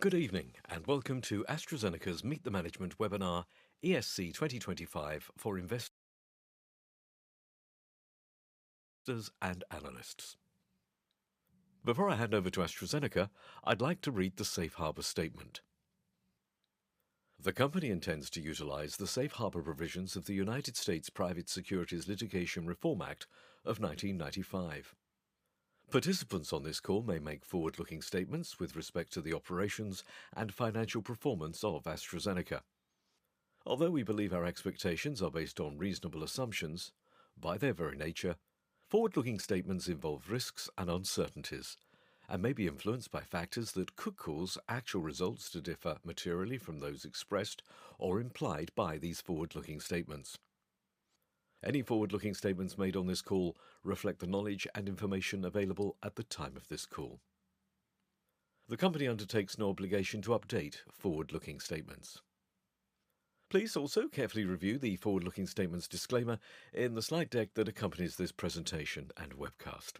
Good evening, and welcome to AstraZeneca's Meet the Management webinar, ESC 2025, for investors and analysts. Before I hand over to AstraZeneca, I'd like to read the Safe Harbor Statement. The company intends to utilize the Safe Harbor provisions of the United States Private Securities Litigation Reform Act of 1995. Participants on this call may make forward-looking statements with respect to the operations and financial performance of AstraZeneca. Although we believe our expectations are based on reasonable assumptions, by their very nature, forward-looking statements involve risks and uncertainties, and may be influenced by factors that could cause actual results to differ materially from those expressed or implied by these forward-looking statements. Any forward-looking statements made on this call reflect the knowledge and information available at the time of this call. The company undertakes no obligation to update forward-looking statements. Please also carefully review the forward-looking statements disclaimer in the slide deck that accompanies this presentation and webcast.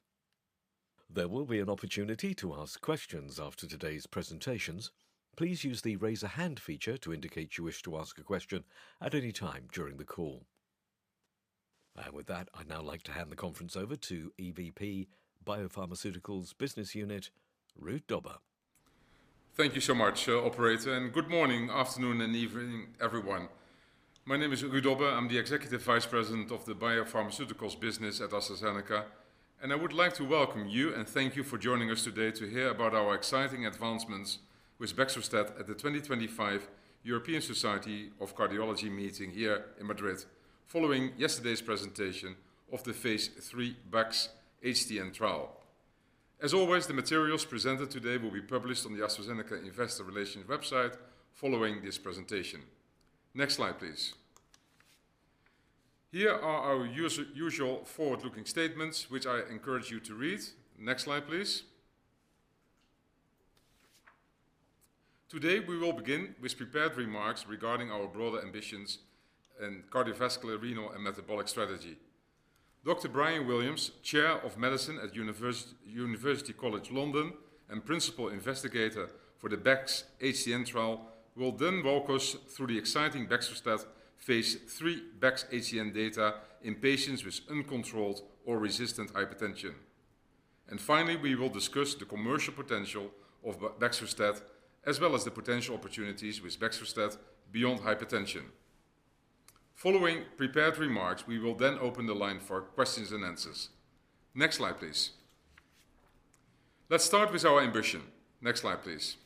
There will be an opportunity to ask questions after today's presentations. Please use the raise-a-hand feature to indicate you wish to ask a question at any time during the call. And with that, I'd now like to hand the conference over to EVP BioPharmaceuticals Business Unit, Ruud Dobber. Thank you so much, Operator, and good morning, afternoon, and evening, everyone. My name is Ruud Dobber. I'm the Executive Vice President of the BioPharmaceuticals business at AstraZeneca, and I would like to welcome you and thank you for joining us today to hear about our exciting advancements with baxdrostat at the 2025 European Society of Cardiology meeting here in Madrid, following yesterday's presentation of the Phase III BaxHTN trial. As always, the materials presented today will be published on the AstraZeneca Investor Relations website following this presentation. Next slide, please. Here are our usual forward-looking statements, which I encourage you to read. Next slide, please. Today, we will begin with prepared remarks regarding our broader ambitions and cardiovascular, renal, and metabolic strategy. Dr. Bryan Williams, Chair of Medicine at University College London and Principal Investigator for the BaxHTN trial, will then walk us through the exciting baxdrostat Phase III BaxHTN data in patients with uncontrolled or resistant hypertension, and finally, we will discuss the commercial potential of baxdrostat, as well as the potential opportunities with baxdrostat beyond hypertension. Following prepared remarks, we will then open the line for questions and answers. Next slide, please. Let's start with our ambition. Next slide, please.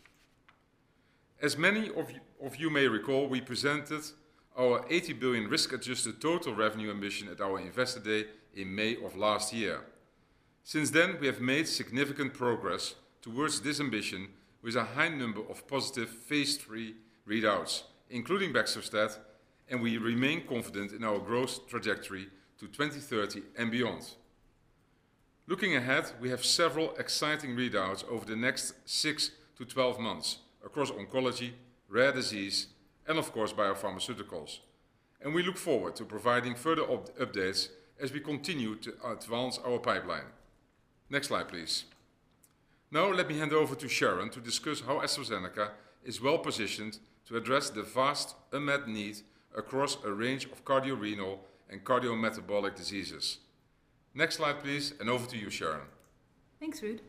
As many of you may recall, we presented our $80 billion risk-adjusted total revenue ambition at our Investor Day in May of last year. Since then, we have made significant progress towards this ambition with a high number of positive Phase III readouts, including baxdrostat, and we remain confident in our growth trajectory to 2030 and beyond. Looking ahead, we have several exciting readouts over the next six to 12 months across oncology, rare disease, and of course, BioPharmaceuticals, and we look forward to providing further updates as we continue to advance our pipeline. Next slide, please. Now, let me hand over to Sharon to discuss how AstraZeneca is well-positioned to address the vast unmet need across a range of cardiorenal and cardiometabolic diseases. Next slide, please, and over to you, Sharon. Thanks, Ruud.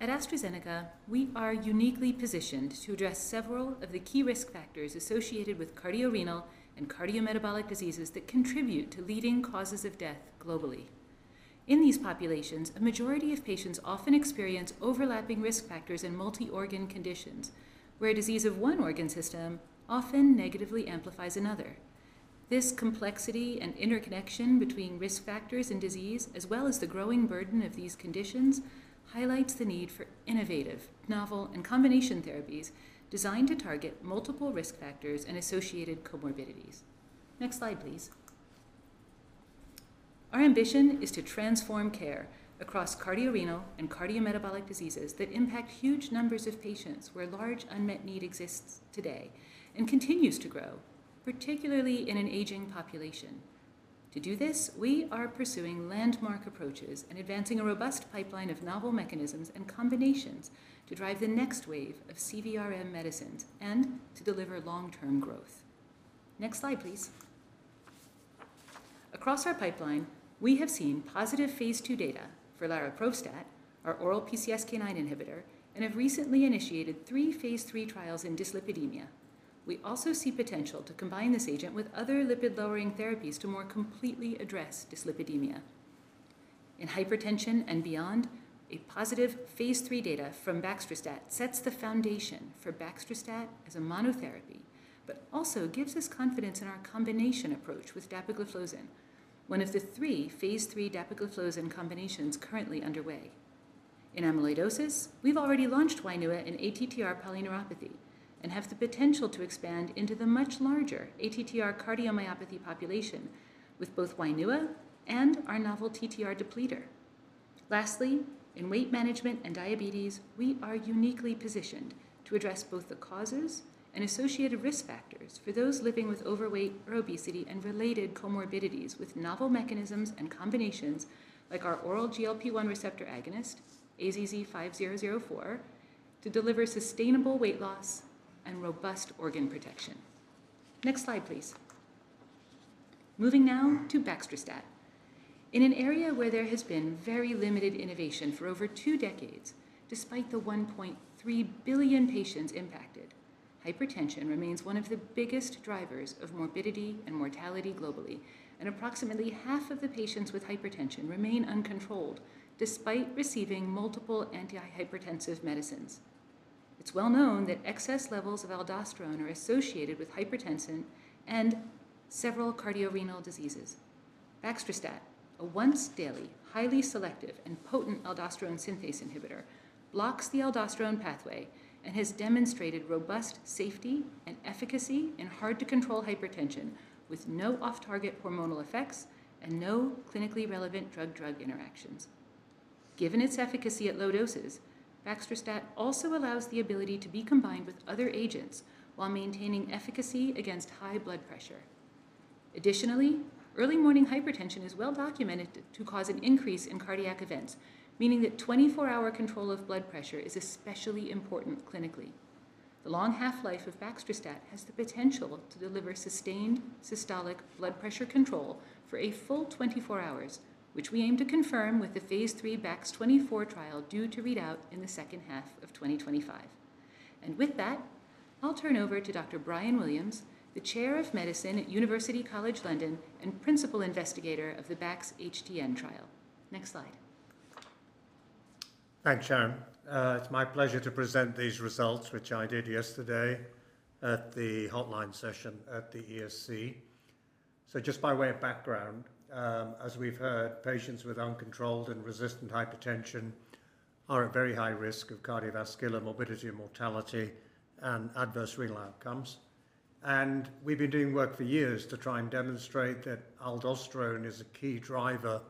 At AstraZeneca, we are uniquely positioned to address several of the key risk factors associated with cardiorenal and cardiometabolic diseases that contribute to leading causes of death globally. In these populations, a majority of patients often experience overlapping risk factors in multi-organ conditions, where a disease of one organ system often negatively amplifies another. This complexity and interconnection between risk factors and disease, as well as the growing burden of these conditions, highlights the need for innovative, novel, and combination therapies designed to target multiple risk factors and associated comorbidities. Next slide, please. Our ambition is to transform care across cardiorenal and cardiometabolic diseases that impact huge numbers of patients where large unmet need exists today and continues to grow, particularly in an aging population. To do this, we are pursuing landmark approaches and advancing a robust pipeline of novel mechanisms and combinations to drive the next wave of CVRM medicines and to deliver long-term growth. Next slide, please. Across our pipeline, we have seen positive Phase II data for larioprostat, our oral PCSK9 inhibitor, and have recently initiated three Phase III trials in dyslipidemia. We also see potential to combine this agent with other lipid-lowering therapies to more completely address dyslipidemia. In hypertension and beyond, a positive Phase III data from baxdrostat sets the foundation for baxdrostat as a monotherapy, but also gives us confidence in our combination approach with dapagliflozin, one of the three Phase III dapagliflozin combinations currently underway. In amyloidosis, we've already launched Wainua in ATTR polyneuropathy and have the potential to expand into the much larger ATTR cardiomyopathy population with both Wainua and our novel TTR depleter. Lastly, in weight management and diabetes, we are uniquely positioned to address both the causes and associated risk factors for those living with overweight or obesity and related comorbidities with novel mechanisms and combinations like our oral GLP-1 receptor agonist, AZD5004, to deliver sustainable weight loss and robust organ protection. Next slide, please. Moving now to baxdrostat. In an area where there has been very limited innovation for over two decades, despite the 1.3 billion patients impacted, hypertension remains one of the biggest drivers of morbidity and mortality globally, and approximately half of the patients with hypertension remain uncontrolled despite receiving multiple antihypertensive medicines. It's well known that excess levels of aldosterone are associated with hypertension and several cardiorenal diseases. Baxdrostat, a once-daily, highly selective, and potent aldosterone synthase inhibitor, blocks the aldosterone pathway and has demonstrated robust safety and efficacy in hard-to-control hypertension with no off-target hormonal effects and no clinically relevant drug-drug interactions. Given its efficacy at low doses, baxdrostat also allows the ability to be combined with other agents while maintaining efficacy against high blood pressure. Additionally, early morning hypertension is well documented to cause an increase in cardiac events, meaning that 24-hour control of blood pressure is especially important clinically. The long half-life of baxdrostat has the potential to deliver sustained systolic blood pressure control for a full 24 hours, which we aim to confirm with the Phase III Bax24 trial due to readout in the second half of 2025. With that, I'll turn over to Dr. Bryan Williams, the Chair of Medicine at University College London and Principal Investigator of the BaxHTN trial. Next slide. Thanks, Sharon. It's my pleasure to present these results, which I did yesterday at the Hot Line session at the ESC. So just by way of background, as we've heard, patients with uncontrolled and resistant hypertension are at very high risk of cardiovascular morbidity and mortality and adverse renal outcomes. And we've been doing work for years to try and demonstrate that aldosterone is a key driver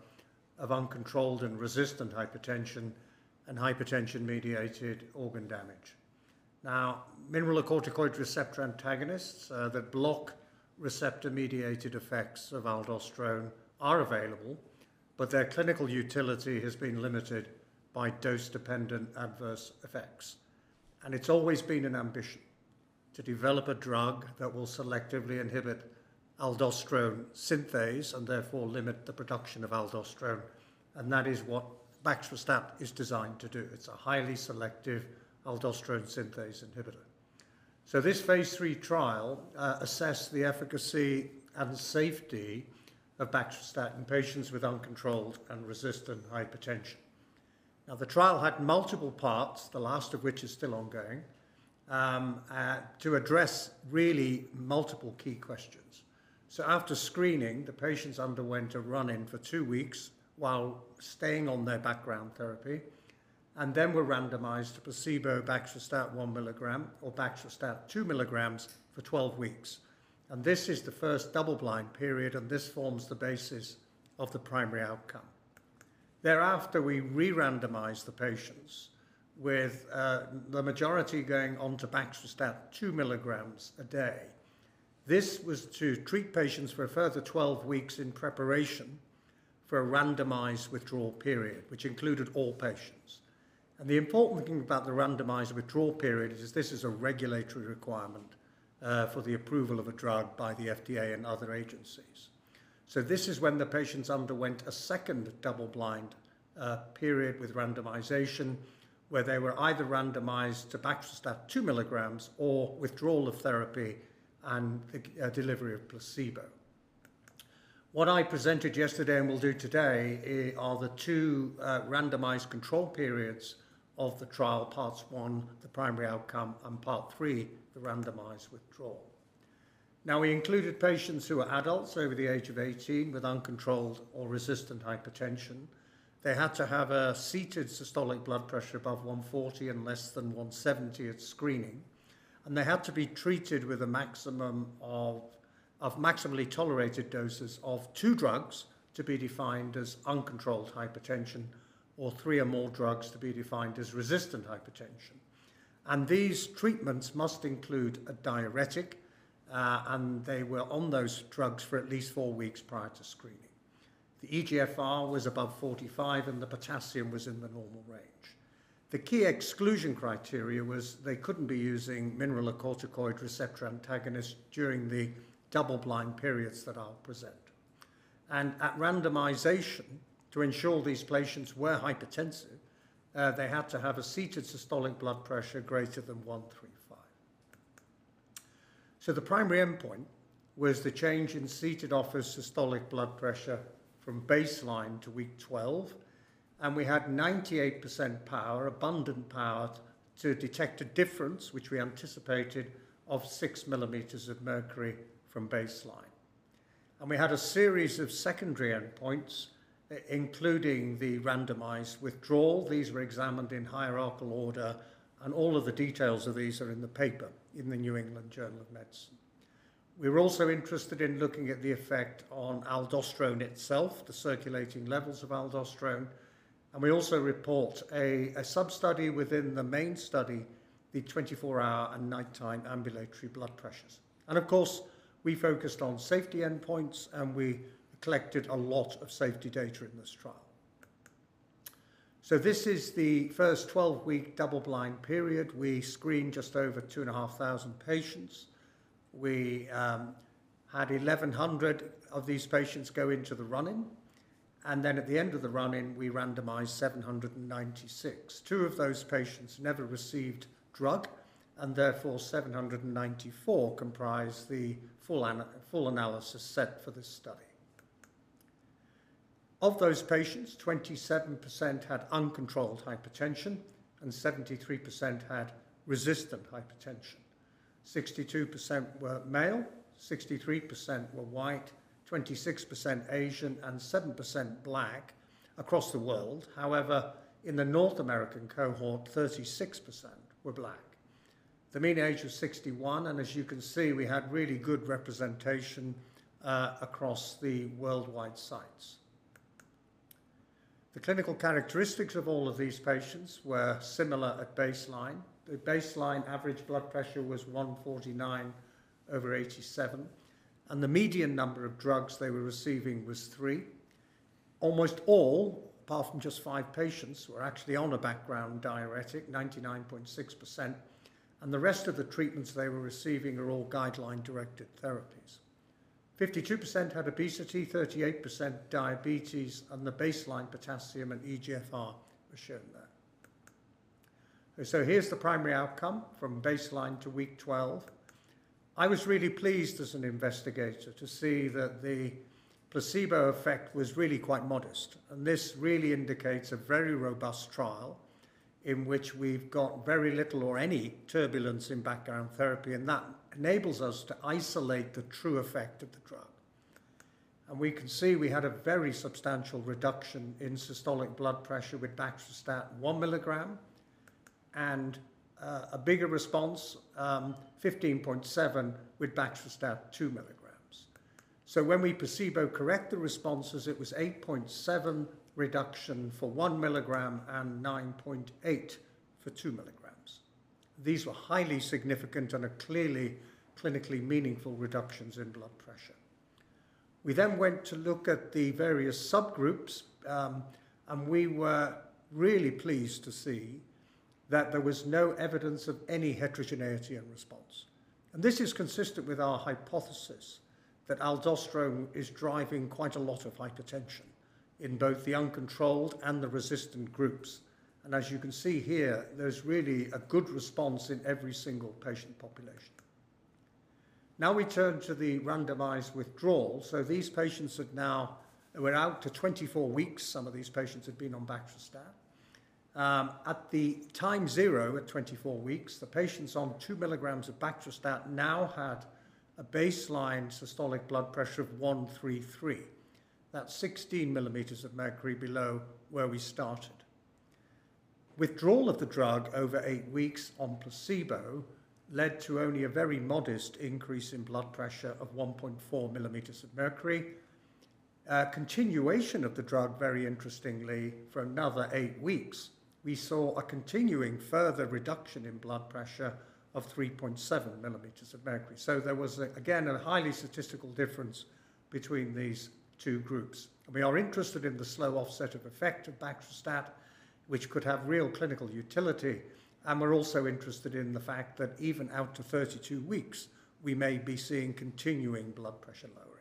of uncontrolled and resistant hypertension and hypertension-mediated organ damage. Now, mineralocorticoid receptor antagonists that block receptor-mediated effects of aldosterone are available, but their clinical utility has been limited by dose-dependent adverse effects. And it's always been an ambition to develop a drug that will selectively inhibit aldosterone synthase and therefore limit the production of aldosterone, and that is what baxdrostat is designed to do. It's a highly selective aldosterone synthase inhibitor. This Phase III trial assessed the efficacy and safety of baxdrostat in patients with uncontrolled and resistant hypertension. Now, the trial had multiple parts, the last of which is still ongoing, to address really multiple key questions. After screening, the patients underwent a run-in for two weeks while staying on their background therapy, and then were randomized to placebo, baxdrostat one milligram or baxdrostat two milligrams for 12 weeks. This is the first double-blind period, and this forms the basis of the primary outcome. Thereafter, we re-randomized the patients, with the majority going on to baxdrostat two milligrams a day. This was to treat patients for a further 12 weeks in preparation for a randomized withdrawal period, which included all patients. The important thing about the randomized withdrawal period is this is a regulatory requirement for the approval of a drug by the FDA and other agencies. So this is when the patients underwent a second double-blind period with randomization, where they were either randomized to baxdrostat two milligrams or withdrawal of therapy and delivery of placebo. What I presented yesterday and will do today are the two randomized control periods of the trial, Parts one, the primary outcome, and Part three, the randomized withdrawal. Now, we included patients who are adults over the age of 18 with uncontrolled or resistant hypertension. They had to have a seated systolic blood pressure above 140 and less than 170 at screening, and they had to be treated with a maximum of maximally tolerated doses of two drugs to be defined as uncontrolled hypertension or three or more drugs to be defined as resistant hypertension, and these treatments must include a diuretic, and they were on those drugs for at least four weeks prior to screening. The eGFR was above 45, and the potassium was in the normal range. The key exclusion criteria was they couldn't be using mineralocorticoid receptor antagonists during the double-blind periods that I'll present, and at randomization, to ensure these patients were hypertensive, they had to have a seated systolic blood pressure greater than 135. The primary endpoint was the change in seated office systolic blood pressure from baseline to week 12, and we had 98% power, abundant power, to detect a difference, which we anticipated, of 6 millimeters of mercury from baseline. We had a series of secondary endpoints, including the randomized withdrawal. These were examined in hierarchical order, and all of the details of these are in the paper in the New England Journal of Medicine. We were also interested in looking at the effect on aldosterone itself, the circulating levels of aldosterone, and we also report a sub-study within the main study, the 24-hour and nighttime ambulatory blood pressures. Of course, we focused on safety endpoints, and we collected a lot of safety data in this trial. This is the first 12-week double-blind period. We screened just over 2,500 patients. We had 1,100 of these patients go into the run-in, and then at the end of the run-in, we randomized 796. Two of those patients never received drug, and therefore 794 comprised the full analysis set for this study. Of those patients, 27% had uncontrolled hypertension and 73% had resistant hypertension. 62% were male, 63% were white, 26% Asian, and 7% Black across the world. However, in the North American cohort, 36% were Black. The mean age was 61, and as you can see, we had really good representation across the worldwide sites. The clinical characteristics of all of these patients were similar at baseline. The baseline average blood pressure was 149 over 87, and the median number of drugs they were receiving was 3. Almost all, apart from just five patients, were actually on a background diuretic, 99.6%, and the rest of the treatments they were receiving were all guideline-directed therapies. 52% had obesity, 38% diabetes, and the baseline potassium and eGFR were shown there. So here's the primary outcome from baseline to week 12. I was really pleased as an investigator to see that the placebo effect was really quite modest, and this really indicates a very robust trial in which we've got very little or any turbulence in background therapy, and that enables us to isolate the true effect of the drug. And we can see we had a very substantial reduction in systolic blood pressure with baxdrostat one milligram and a bigger response, 15.7, with baxdrostat two milligrams. So when we placebo-correct the responses, it was 8.7 reduction for one milligram and 9.8 for two milligrams. These were highly significant and are clearly clinically meaningful reductions in blood pressure. We then went to look at the various subgroups, and we were really pleased to see that there was no evidence of any heterogeneity in response. This is consistent with our hypothesis that aldosterone is driving quite a lot of hypertension in both the uncontrolled and the resistant groups. As you can see here, there's really a good response in every single patient population. Now we turn to the randomized withdrawal. These patients had now been out to 24 weeks. Some of these patients had been on baxdrostat. At time zero at 24 weeks, the patients on two milligrams of baxdrostat now had a baseline systolic blood pressure of 133. That's 16 millimeters of mercury below where we started. Withdrawal of the drug over eight weeks on placebo led to only a very modest increase in blood pressure of 1.4 millimeters of mercury. Continuation of the drug, very interestingly, for another eight weeks, we saw a continuing further reduction in blood pressure of 3.7 millimeters of mercury. So there was, again, a highly statistical difference between these two groups. We are interested in the slow offset of effect of baxdrostat, which could have real clinical utility, and we're also interested in the fact that even out to 32 weeks, we may be seeing continuing blood pressure lowering.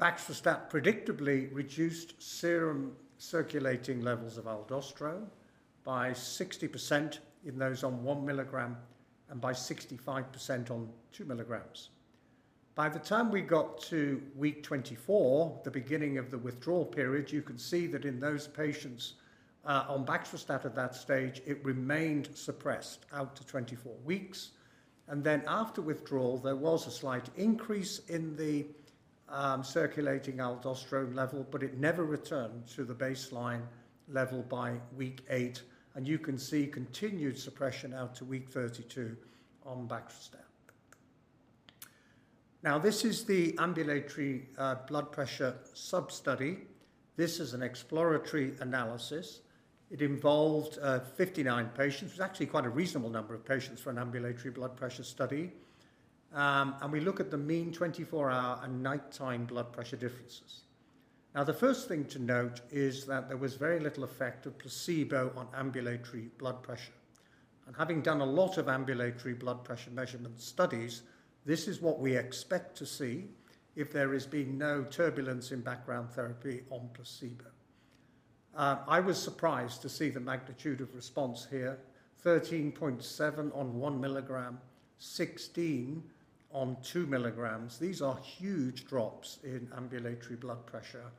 Baxdrostat predictably reduced serum circulating levels of aldosterone by 60% in those on one milligram and by 65% on two milligrams. By the time we got to week 24, the beginning of the withdrawal period, you can see that in those patients on baxdrostat at that stage, it remained suppressed out to 24 weeks, and then after withdrawal, there was a slight increase in the circulating aldosterone level, but it never returned to the baseline level by week 8, and you can see continued suppression out to week 32 on baxdrostat. Now, this is the ambulatory blood pressure sub-study. This is an exploratory analysis. It involved 59 patients. It was actually quite a reasonable number of patients for an ambulatory blood pressure study. And we look at the mean 24-hour and nighttime blood pressure differences. Now, the first thing to note is that there was very little effect of placebo on ambulatory blood pressure. Having done a lot of ambulatory blood pressure measurement studies, this is what we expect to see if there has been no turbulence in background therapy on placebo. I was surprised to see the magnitude of response here: 13.7 on one milligram, 16 on two milligrams. These are huge drops in ambulatory blood pressure,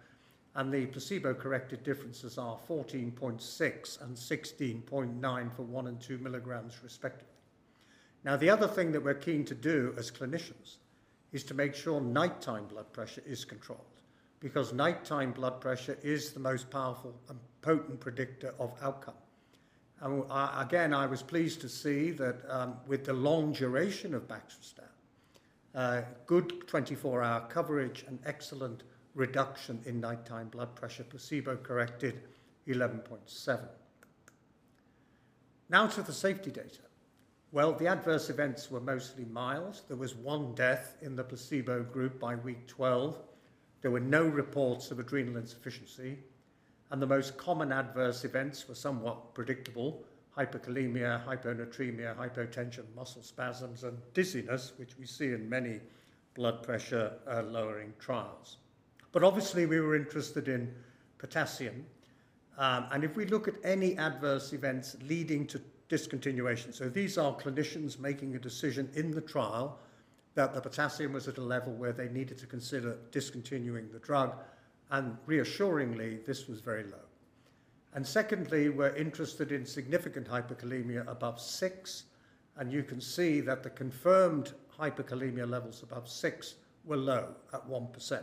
and the placebo-corrected differences are 14.6 and 16.9 for one and two milligrams, respectively. Now, the other thing that we're keen to do as clinicians is to make sure nighttime blood pressure is controlled because nighttime blood pressure is the most powerful and potent predictor of outcome. Again, I was pleased to see that with the long duration of baxdrostat, good 24-hour coverage and excellent reduction in nighttime blood pressure, placebo-corrected 11.7. Now to the safety data. The adverse events were mostly mild. There was one death in the placebo group by week 12. There were no reports of adrenal insufficiency, and the most common adverse events were somewhat predictable: hyperkalemia, hyponatremia, hypotension, muscle spasms, and dizziness, which we see in many blood pressure-lowering trials. But obviously, we were interested in potassium. And if we look at any adverse events leading to discontinuation, so these are clinicians making a decision in the trial that the potassium was at a level where they needed to consider discontinuing the drug, and reassuringly, this was very low. And secondly, we're interested in significant hyperkalemia above 6, and you can see that the confirmed hyperkalemia levels above 6 were low at 1%.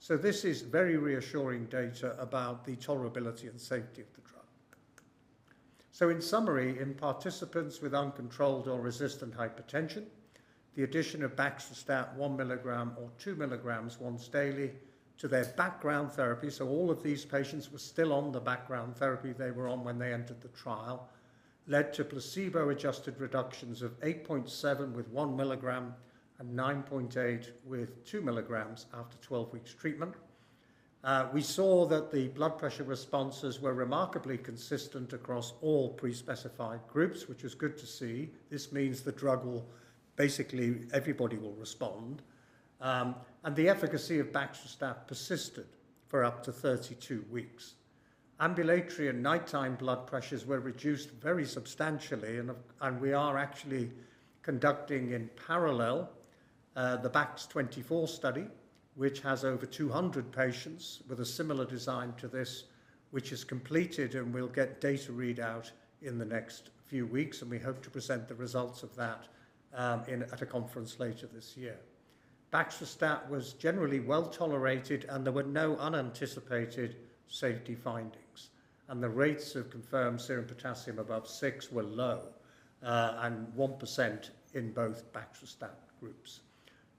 So this is very reassuring data about the tolerability and safety of the drug. In summary, in participants with uncontrolled or resistant hypertension, the addition of baxdrostat one milligram or two milligrams once daily to their background therapy, so all of these patients were still on the background therapy they were on when they entered the trial, led to placebo-adjusted reductions of 8.7 with one milligram and 9.8 with two milligrams after 12 weeks' treatment. We saw that the blood pressure responses were remarkably consistent across all pre-specified groups, which was good to see. This means the drug will basically everybody will respond. And the efficacy of baxdrostat persisted for up to 32 weeks. Ambulatory and nighttime blood pressures were reduced very substantially, and we are actually conducting in parallel the Bax24 study, which has over 200 patients with a similar design to this, which is completed, and we'll get data readout in the next few weeks, and we hope to present the results of that at a conference later this year. Baxdrostat was generally well tolerated, and there were no unanticipated safety findings, and the rates of confirmed serum potassium above 6 were low and 1% in both baxdrostat groups.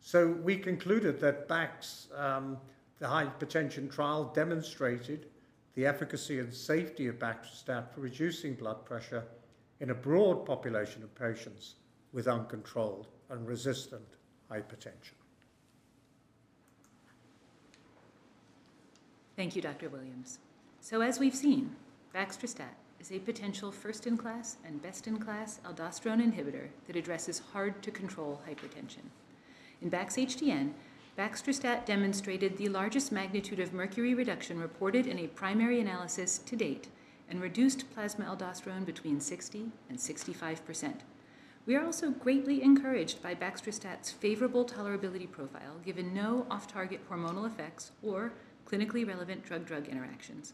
So we concluded that the hypertension trial demonstrated the efficacy and safety of baxdrostat for reducing blood pressure in a broad population of patients with uncontrolled and resistant hypertension. Thank you, Dr. Williams. So as we've seen, baxdrostat is a potential first-in-class and best-in-class aldosterone inhibitor that addresses hard-to-control hypertension. In BaxHTN, baxdrostat demonstrated the largest magnitude of mmHg reduction reported in a primary analysis to date and reduced plasma aldosterone between 60% and 65%. We are also greatly encouraged by baxdrostat's favorable tolerability profile given no off-target hormonal effects or clinically relevant drug-drug interactions.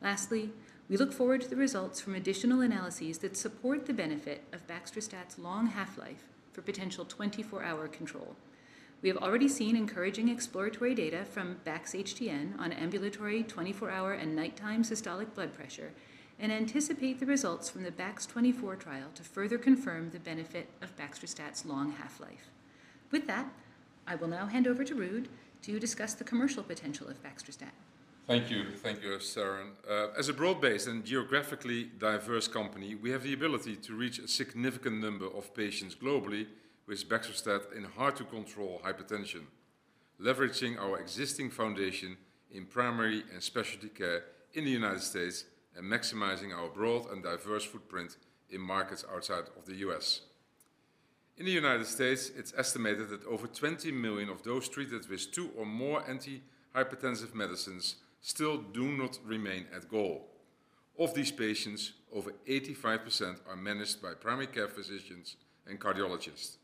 Lastly, we look forward to the results from additional analyses that support the benefit of baxdrostat's long half-life for potential 24-hour control. We have already seen encouraging exploratory data from BaxHTN on ambulatory 24-hour and nighttime systolic blood pressure and anticipate the results from the Bax24 trial to further confirm the benefit of baxdrostat's long half-life. With that, I will now hand over to Ruud to discuss the commercial potential of baxdrostat. Thank you. Thank you, Sharon. As a broad-based and geographically diverse company, we have the ability to reach a significant number of patients globally with baxdrostat in hard-to-control hypertension, leveraging our existing foundation in primary and specialty care in the United States and maximizing our broad and diverse footprint in markets outside of the U.S. In the United States, it's estimated that over 20 million of those treated with two or more antihypertensive medicines still do not remain at goal. Of these patients, over 85% are managed by primary care physicians and cardiologists.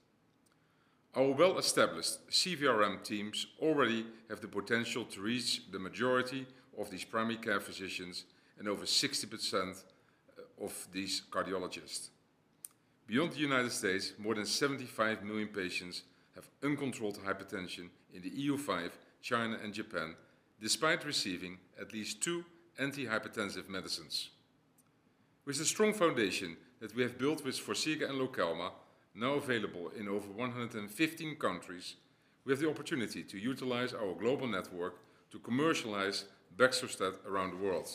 Our well-established CVRM teams already have the potential to reach the majority of these primary care physicians and over 60% of these cardiologists. Beyond the United States, more than 75 million patients have uncontrolled hypertension in the EU-5, China, and Japan, despite receiving at least two antihypertensive medicines. With the strong foundation that we have built with Forxiga and Lokelma, now available in over 115 countries, we have the opportunity to utilize our global network to commercialize baxdrostat around the world.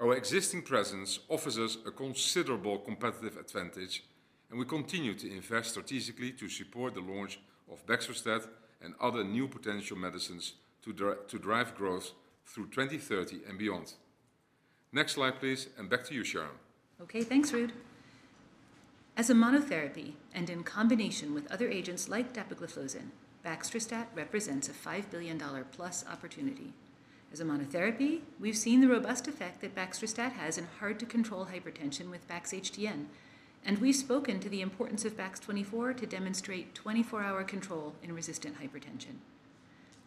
Our existing presence offers us a considerable competitive advantage, and we continue to invest strategically to support the launch of baxdrostat and other new potential medicines to drive growth through 2030 and beyond. Next slide, please, and back to you, Sharon. Okay, thanks, Ruud. As a monotherapy and in combination with other agents like dapagliflozin, baxdrostat represents a $5 billion+ opportunity. As a monotherapy, we've seen the robust effect that baxdrostat has in hard-to-control hypertension with BaxHTN, and we've spoken to the importance of Bax24 to demonstrate 24-hour control in resistant hypertension.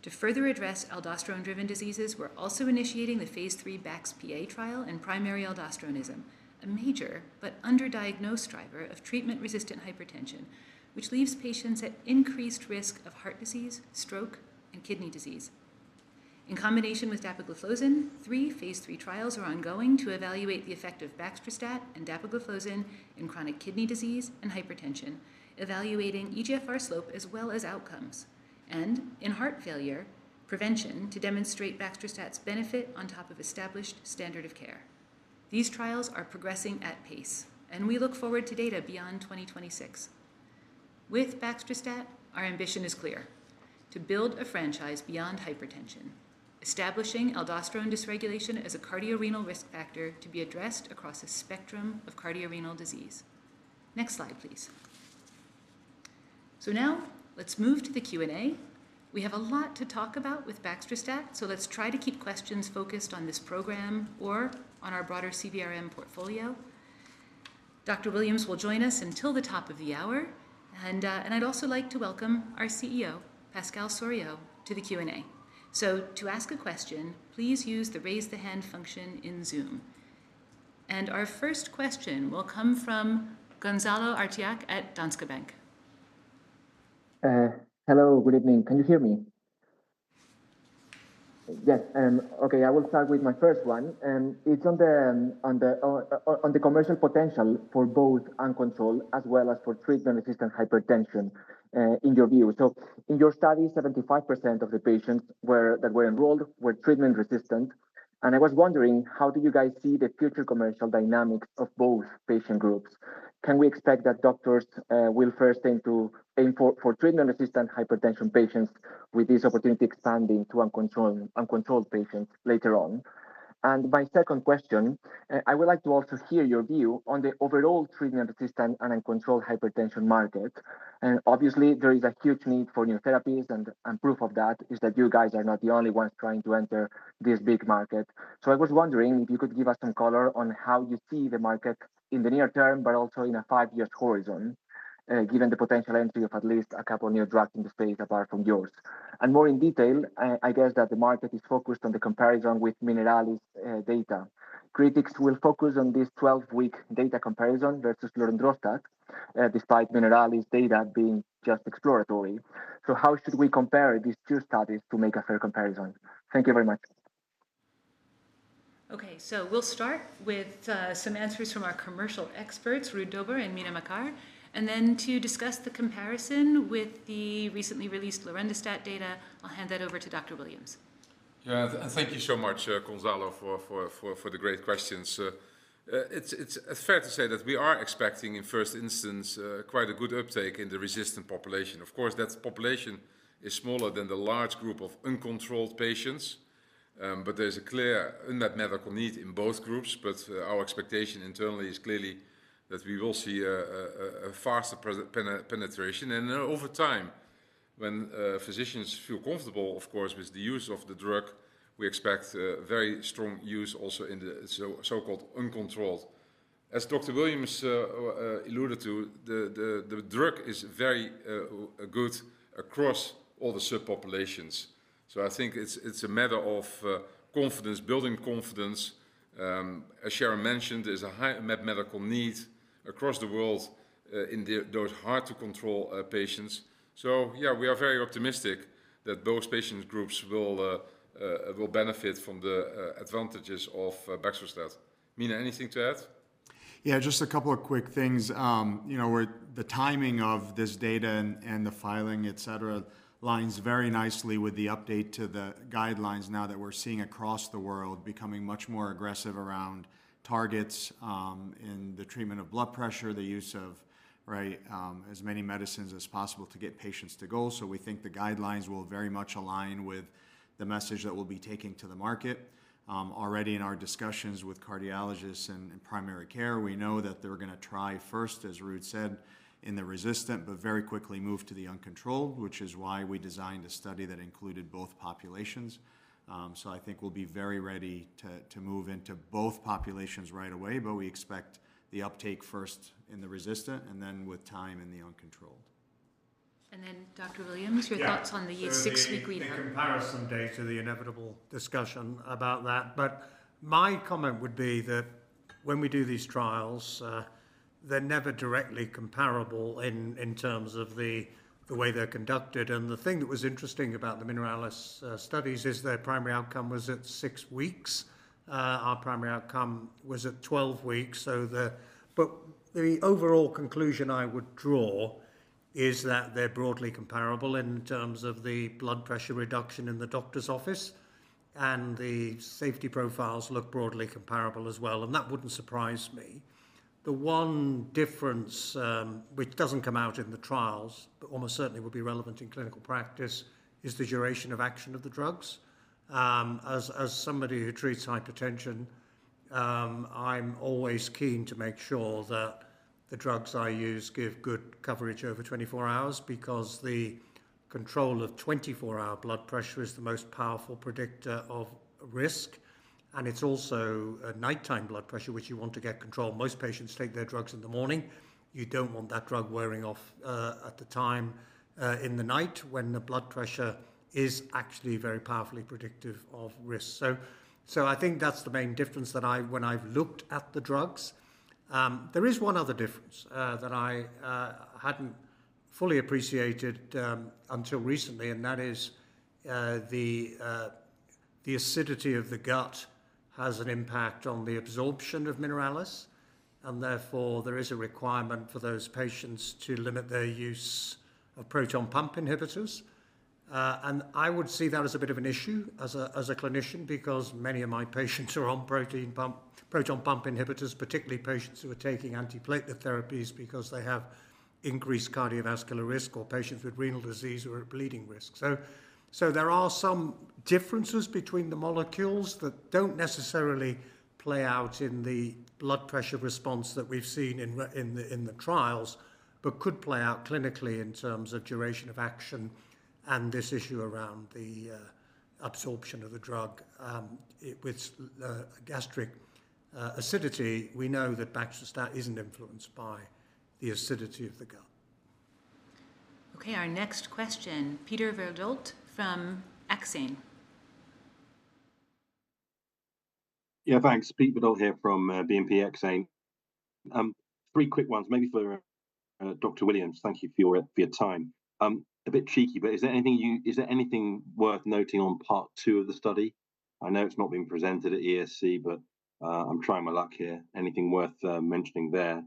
To further address aldosterone-driven diseases, we're also initiating the Phase III BaxPA trial in primary aldosteronism, a major but underdiagnosed driver of treatment-resistant hypertension, which leaves patients at increased risk of heart disease, stroke, and kidney disease. In combination with dapagliflozin, three Phase III trials are ongoing to evaluate the effect of baxdrostat and dapagliflozin in chronic kidney disease and hypertension, evaluating eGFR slope as well as outcomes, and in heart failure, prevention to demonstrate baxdrostat's benefit on top of established standard of care. These trials are progressing at pace, and we look forward to data beyond 2026. With baxdrostat, our ambition is clear: to build a franchise beyond hypertension, establishing aldosterone dysregulation as a cardiorenal risk factor to be addressed across a spectrum of cardiorenal disease. Next slide, please. So now let's move to the Q&A. We have a lot to talk about with baxdrostat, so let's try to keep questions focused on this program or on our broader CVRM portfolio. Dr. Williams will join us until the top of the hour, and I'd also like to welcome our CEO, Pascal Soriot, to the Q&A. So to ask a question, please use the raise-the-hand function in Zoom. And our first question will come from Gonzalo Artiach at Danske Bank. Hello, good evening. Can you hear me? Yes. Okay, I will start with my first one. It's on the commercial potential for both uncontrolled as well as for treatment-resistant hypertension in your view. So in your studies, 75% of the patients that were enrolled were treatment-resistant, and I was wondering, how do you guys see the future commercial dynamics of both patient groups? Can we expect that doctors will first aim for treatment-resistant hypertension patients with this opportunity expanding to uncontrolled patients later on? And my second question, I would like to also hear your view on the overall treatment-resistant and uncontrolled hypertension market. And obviously, there is a huge need for new therapies, and proof of that is that you guys are not the only ones trying to enter this big market. So I was wondering if you could give us some color on how you see the market in the near term, but also in a five-year horizon, given the potential entry of at least a couple of new drugs in the space apart from yours. And more in detail, I guess that the market is focused on the comparison with Mineralys data. Critics will focus on this 12-week data comparison versus lorundrostat, despite Mineralys data being just exploratory. So how should we compare these two studies to make a fair comparison? Thank you very much. Okay, so we'll start with some answers from our commercial experts, Ruud Dobber and Mina Makar, and then to discuss the comparison with the recently released lorundrostat data, I'll hand that over to Dr. Williams. Yeah, thank you so much, Gonzalo, for the great questions. It's fair to say that we are expecting, in first instance, quite a good uptake in the resistant population. Of course, that population is smaller than the large group of uncontrolled patients, but there's a clear medical need in both groups. But our expectation internally is clearly that we will see a faster penetration. And over time, when physicians feel comfortable, of course, with the use of the drug, we expect very strong use also in the so-called uncontrolled. As Dr. Williams alluded to, the drug is very good across all the subpopulations. So I think it's a matter of building confidence. As Sharon mentioned, there's a high medical need across the world in those hard-to-control patients. So yeah, we are very optimistic that both patient groups will benefit from the advantages of baxdrostat. Mina, anything to add? Yeah, just a couple of quick things. The timing of this data and the filing, etc., lines very nicely with the update to the guidelines now that we're seeing across the world becoming much more aggressive around targets in the treatment of blood pressure, the use of as many medicines as possible to get patients to goal. So we think the guidelines will very much align with the message that we'll be taking to the market. Already in our discussions with cardiologists and primary care, we know that they're going to try first, as Ruud said, in the resistant, but very quickly move to the uncontrolled, which is why we designed a study that included both populations. So I think we'll be very ready to move into both populations right away, but we expect the uptake first in the resistant and then with time in the uncontrolled. And then, Dr. Williams, your thoughts on the six-week readout? I think we're going to compare someday to the inevitable discussion about that. But my comment would be that when we do these trials, they're never directly comparable in terms of the way they're conducted. And the thing that was interesting about the Mineralys studies is their primary outcome was at six weeks. Our primary outcome was at 12 weeks. But the overall conclusion I would draw is that they're broadly comparable in terms of the blood pressure reduction in the doctor's office, and the safety profiles look broadly comparable as well, and that wouldn't surprise me. The one difference which doesn't come out in the trials, but almost certainly would be relevant in clinical practice, is the duration of action of the drugs. As somebody who treats hypertension, I'm always keen to make sure that the drugs I use give good coverage over 24 hours because the control of 24-hour blood pressure is the most powerful predictor of risk, and it's also nighttime blood pressure, which you want to get control. Most patients take their drugs in the morning. You don't want that drug wearing off at the time in the night when the blood pressure is actually very powerfully predictive of risk. So I think that's the main difference when I've looked at the drugs. There is one other difference that I hadn't fully appreciated until recently, and that is the acidity of the gut has an impact on the absorption of Mineralys, and therefore there is a requirement for those patients to limit their use of proton pump inhibitors. And I would see that as a bit of an issue as a clinician because many of my patients are on proton pump inhibitors, particularly patients who are taking antiplatelet therapies because they have increased cardiovascular risk or patients with renal disease or bleeding risk. So there are some differences between the molecules that don't necessarily play out in the blood pressure response that we've seen in the trials, but could play out clinically in terms of duration of action and this issue around the absorption of the drug. With gastric acidity, we know that baxdrostat isn't influenced by the acidity of the gut. Okay, our next question, Peter Welford from Exane. Yeah, thanks. Peter Welford here from BNP Exane. Three quick ones, maybe for Dr. Williams. Thank you for your time. A bit cheeky, but is there anything worth noting on part two of the study? I know it's not being presented at ESC, but I'm trying my luck here. Anything worth mentioning there?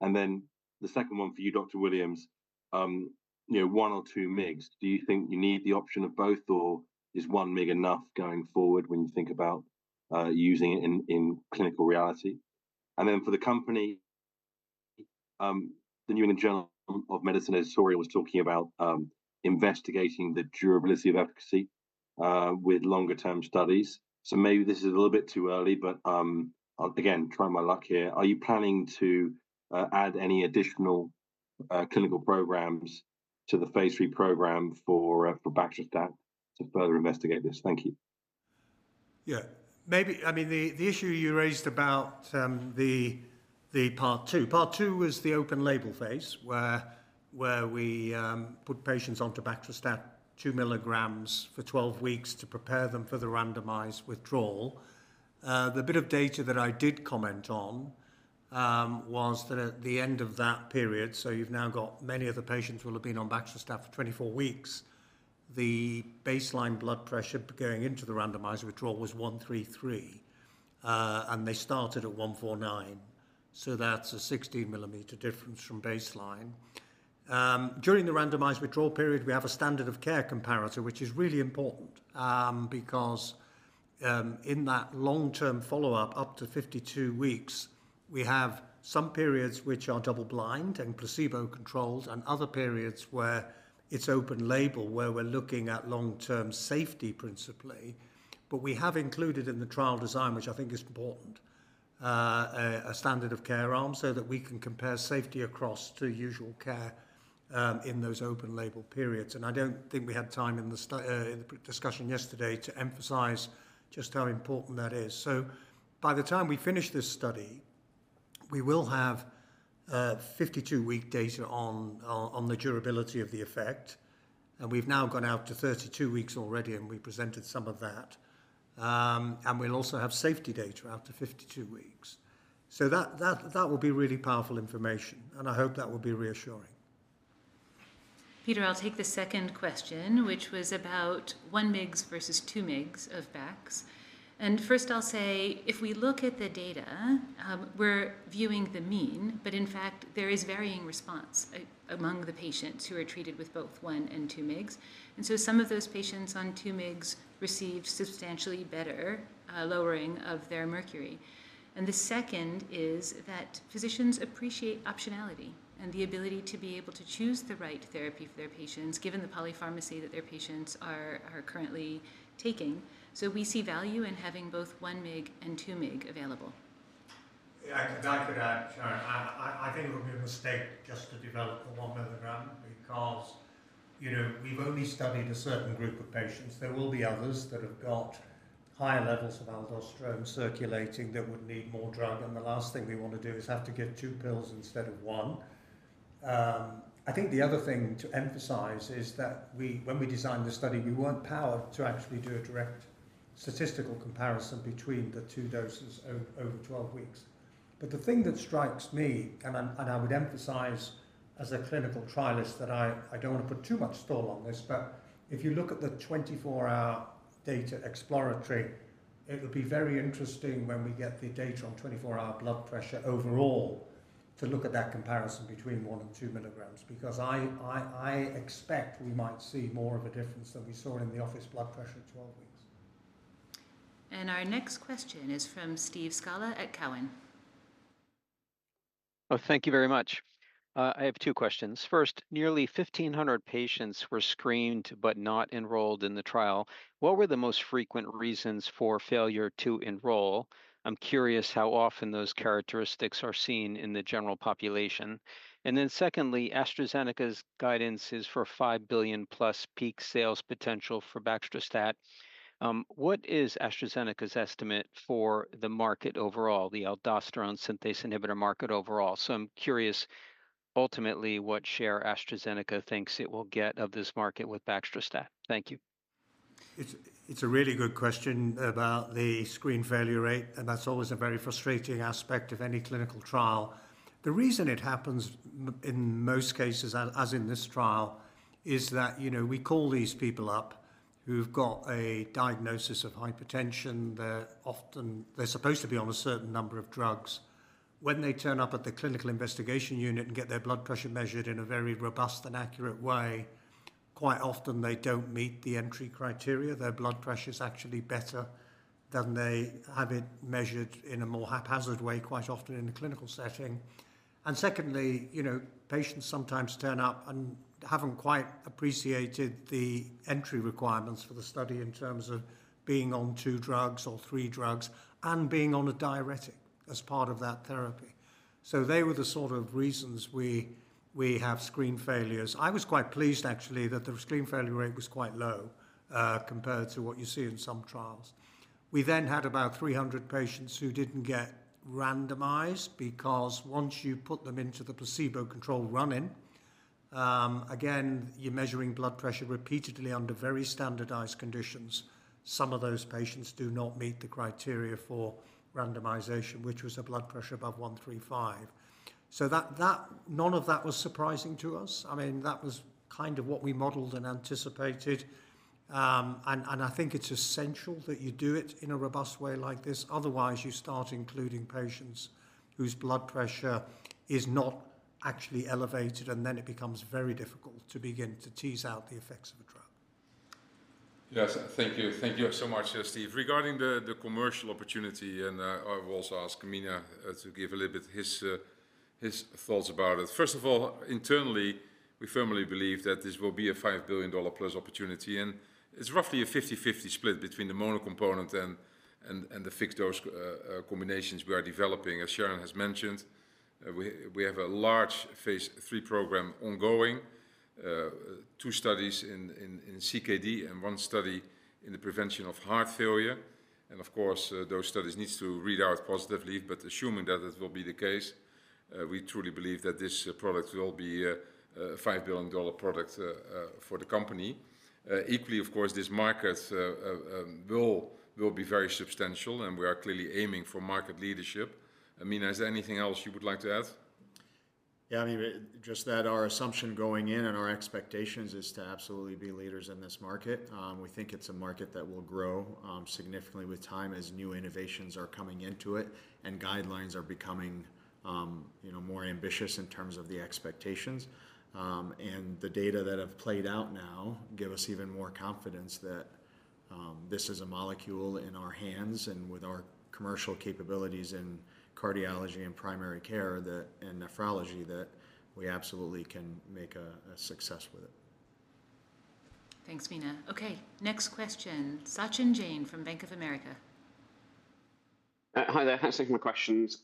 And then the second one for you, Dr. Williams. One or two mgs. Do you think you need the option of both, or is one mg enough going forward when you think about using it in clinical reality? And then for the company, the New England Journal of Medicine, as Sharon was talking about, investigating the durability of efficacy with longer-term studies. Maybe this is a little bit too early, but again, trying my luck here. Are you planning to add any additional clinical programs to the Phase III program for baxdrostat to further investigate this? Thank you. Yeah, maybe. I mean, the issue you raised about the part two. Part two was the open label phase where we put patients onto baxdrostat two milligrams for 12 weeks to prepare them for the randomized withdrawal. The bit of data that I did comment on was that at the end of that period, so you've now got many of the patients who will have been on baxdrostat for 24 weeks, the baseline blood pressure going into the randomized withdrawal was 133, and they started at 149. So that's a 16 mm Hg difference from baseline. During the randomized withdrawal period, we have a standard of care comparator, which is really important because in that long-term follow-up, up to 52 weeks, we have some periods which are double-blind and placebo-controlled and other periods where it's open label where we're looking at long-term safety principally, but we have included in the trial design, which I think is important, a standard of care arm so that we can compare safety across to usual care in those open label periods, and I don't think we had time in the discussion yesterday to emphasize just how important that is, so by the time we finish this study, we will have 52-week data on the durability of the effect, and we've now gone out to 32 weeks already, and we presented some of that, and we'll also have safety data after 52 weeks. So that will be really powerful information, and I hope that will be reassuring. Peter, I'll take the second question, which was about one mg versus two mg of Bax. And first, I'll say, if we look at the data, we're viewing the mean, but in fact, there is varying response among the patients who are treated with both one and two mg. And so some of those patients on two mg receive substantially better lowering of their mercury. And the second is that physicians appreciate optionality and the ability to be able to choose the right therapy for their patients, given the polypharmacy that their patients are currently taking. So we see value in having both one mg and two mg available. Yeah, I could add, Sharon, I think it would be a mistake just to develop the one milligram because we've only studied a certain group of patients. There will be others that have got higher levels of aldosterone circulating that would need more drug, and the last thing we want to do is have to get two pills instead of one. I think the other thing to emphasize is that when we designed the study, we weren't powered to actually do a direct statistical comparison between the two doses over 12 weeks. But the thing that strikes me, and I would emphasize as a clinical trialist that I don't want to put too much store on this, but if you look at the 24-hour data exploratory, it would be very interesting when we get the data on 24-hour blood pressure overall to look at that comparison between one and two milligrams because I expect we might see more of a difference than we saw in the office blood pressure at 12 weeks. Our next question is from Steve Scala at Cowen. Thank you very much. I have two questions. First, nearly 1,500 patients were screened but not enrolled in the trial. What were the most frequent reasons for failure to enroll? I'm curious how often those characteristics are seen in the general population. And then secondly, AstraZeneca's guidance is for $5 billion+ peak sales potential for baxdrostat. What is AstraZeneca's estimate for the market overall, the aldosterone synthase inhibitor market overall? So I'm curious, ultimately, what share AstraZeneca thinks it will get of this market with baxdrostat? Thank you. It's a really good question about the screen failure rate, and that's always a very frustrating aspect of any clinical trial. The reason it happens in most cases, as in this trial, is that we call these people up who've got a diagnosis of hypertension. They're supposed to be on a certain number of drugs. When they turn up at the clinical investigation unit and get their blood pressure measured in a very robust and accurate way, quite often they don't meet the entry criteria. Their blood pressure's actually better than they have it measured in a more haphazard way, quite often in the clinical setting, and secondly, patients sometimes turn up and haven't quite appreciated the entry requirements for the study in terms of being on two drugs or three drugs and being on a diuretic as part of that therapy, so they were the sort of reasons we have screen failures. I was quite pleased, actually, that the screen failure rate was quite low compared to what you see in some trials. We then had about 300 patients who didn't get randomized because once you put them into the placebo-controlled running, again, you're measuring blood pressure repeatedly under very standardized conditions. Some of those patients do not meet the criteria for randomization, which was a blood pressure above 135. So none of that was surprising to us. I mean, that was kind of what we modeled and anticipated. I think it's essential that you do it in a robust way like this. Otherwise, you start including patients whose blood pressure is not actually elevated, and then it becomes very difficult to begin to tease out the effects of a drug. Yes, thank you. Thank you so much, Steve. Regarding the commercial opportunity, and I will also ask Mina to give a little bit of his thoughts about it. First of all, internally, we firmly believe that this will be a $5 billion+ opportunity, and it's roughly a 50-50 split between the monocomponent and the fixed-dose combinations we are developing. As Sharon has mentioned, we have a large Phase III program ongoing, two studies in CKD and one study in the prevention of heart failure. Of course, those studies need to read out positively, but assuming that it will be the case, we truly believe that this product will be a $5 billion product for the company. Equally, of course, this market will be very substantial, and we are clearly aiming for market leadership. Mina, is there anything else you would like to add? Yeah, I mean, just that our assumption going in and our expectations is to absolutely be leaders in this market. We think it's a market that will grow significantly with time as new innovations are coming into it and guidelines are becoming more ambitious in terms of the expectations. The data that have played out now give us even more confidence that this is a molecule in our hands and with our commercial capabilities in cardiology and primary care and nephrology that we absolutely can make a success with it. Thanks, Mina. Okay, next question. Sachin Jain from Bank of America. Hi, there. Thanks for taking my questions.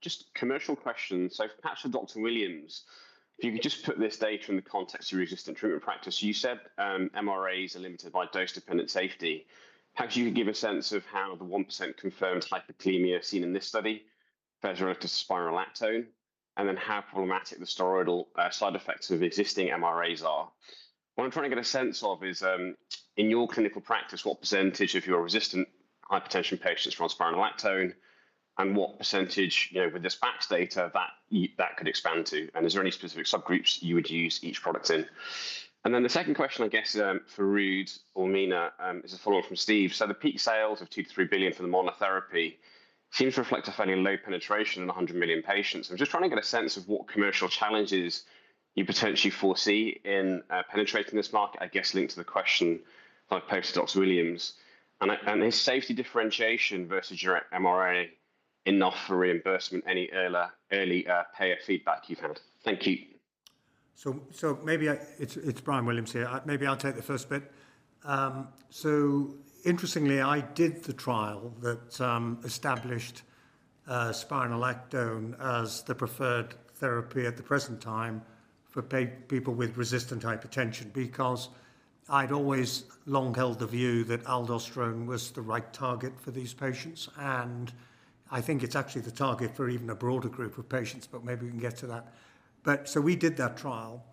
Just commercial questions. So perhaps for Dr. Williams, if you could just put this data in the context of resistant treatment practice. You said MRAs are limited by dose-dependent safety. Perhaps you could give a sense of how the 1% confirmed hyperkalemia seen in this study favors relative to spironolactone and then how problematic the side effects of existing MRAs are. What I'm trying to get a sense of is, in your clinical practice, what percentage of your resistant hypertension patients are on spironolactone and what percentage, with this Bax data, that could expand to? And is there any specific subgroups you would use each product in? And then the second question, I guess, for Ruud or Mina is a follow-up from Steve. So the peak sales of $2-$3 billion for the monotherapy seems to reflect a fairly low penetration in 100 million patients. I'm just trying to get a sense of what commercial challenges you potentially foresee in penetrating this market, I guess, linked to the question that I posted to Dr. Williams. And is safety differentiation versus your MRA enough for reimbursement? Any early payer feedback you've had? Thank you. So maybe it's Bryan Williams here. Maybe I'll take the first bit. So interestingly, I did the trial that established spironolactone as the preferred therapy at the present time for people with resistant hypertension because I'd always long held the view that aldosterone was the right target for these patients. And I think it's actually the target for even a broader group of patients, but maybe we can get to that. But so we did that trial.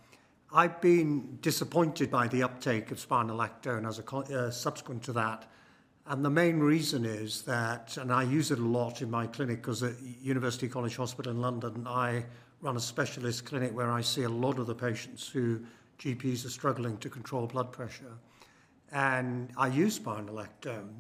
I've been disappointed by the uptake of spironolactone subsequent to that. And the main reason is that, and I use it a lot in my clinic because at University College Hospital in London, I run a specialist clinic where I see a lot of the patients whose GPs are struggling to control blood pressure. And I use spironolactone,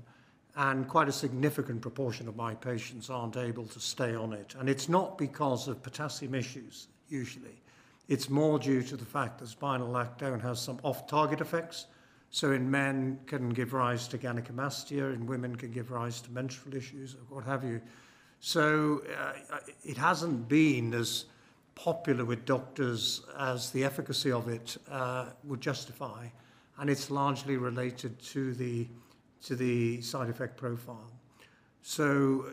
and quite a significant proportion of my patients aren't able to stay on it. And it's not because of potassium issues, usually. It's more due to the fact that spironolactone has some off-target effects. So in men, it can give rise to gynecomastia. In women, it can give rise to menstrual issues or what have you. So it hasn't been as popular with doctors as the efficacy of it would justify. And it's largely related to the side effect profile. So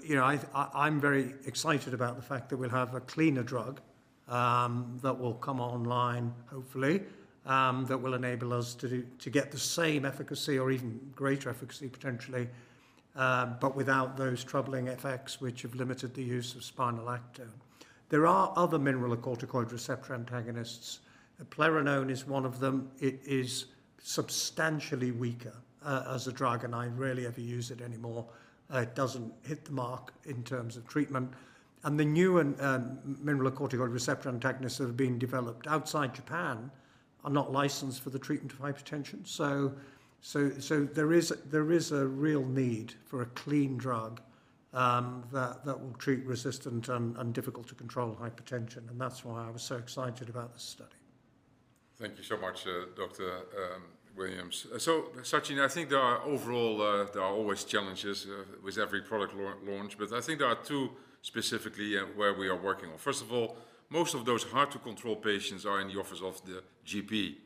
I'm very excited about the fact that we'll have a cleaner drug that will come online, hopefully, that will enable us to get the same efficacy or even greater efficacy potentially, but without those troubling effects which have limited the use of spironolactone. There are other mineralocorticoid receptor antagonists. Eplerenone is one of them. It is substantially weaker as a drug, and I rarely ever use it anymore. It doesn't hit the mark in terms of treatment. The new mineralocorticoid receptor antagonists that have been developed outside Japan are not licensed for the treatment of hypertension. So there is a real need for a clean drug that will treat resistant and difficult-to-control hypertension. And that's why I was so excited about this study. Thank you so much, Dr. Williams. So Sachin, I think overall, there are always challenges with every product launch, but I think there are two specifically where we are working on. First of all, most of those hard-to-control patients are in the office of the GP.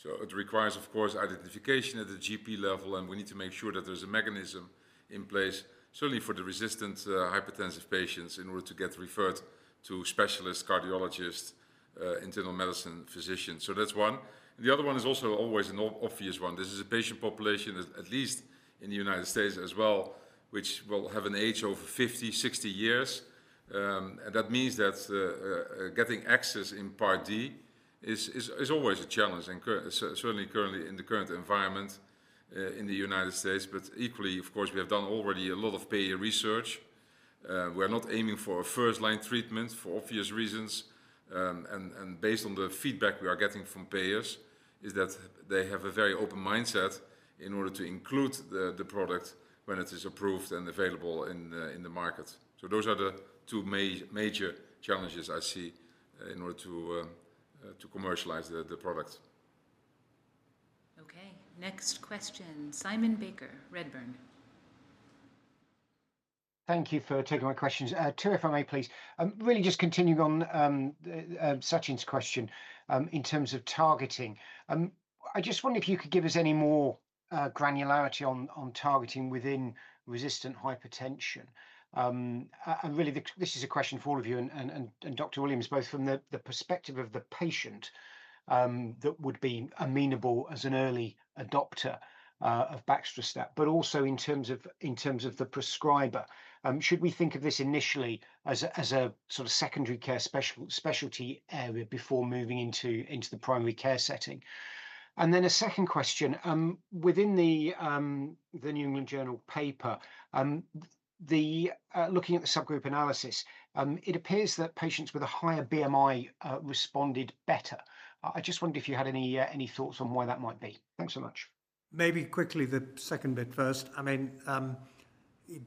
So it requires, of course, identification at the GP level, and we need to make sure that there's a mechanism in place, certainly for the resistant hypertensive patients, in order to get referred to specialists, cardiologists, internal medicine physicians. So that's one. And the other one is also always an obvious one. This is a patient population, at least in the United States as well, which will have an age over 50, 60 years, and that means that getting access in Part D is always a challenge, certainly currently in the current environment in the United States, but equally, of course, we have done already a lot of payer research. We're not aiming for a first-line treatment for obvious reasons, and based on the feedback we are getting from payers, is that they have a very open mindset in order to include the product when it is approved and available in the market, so those are the two major challenges I see in order to commercialize the product. Okay, next question. Simon Baker, Redburn. Thank you for taking my questions. Two, if I may, please. Really just continuing on Sachin's question in terms of targeting. I just wonder if you could give us any more granularity on targeting within resistant hypertension. And really, this is a question for all of you and Dr. Williams, both from the perspective of the patient that would be amenable as an early adopter of baxdrostat, but also in terms of the prescriber. Should we think of this initially as a sort of secondary care specialty area before moving into the primary care setting? And then a second question. Within the New England Journal paper, looking at the subgroup analysis, it appears that patients with a higher BMI responded better. I just wondered if you had any thoughts on why that might be. Thanks so much. Maybe quickly, the second bit first. I mean,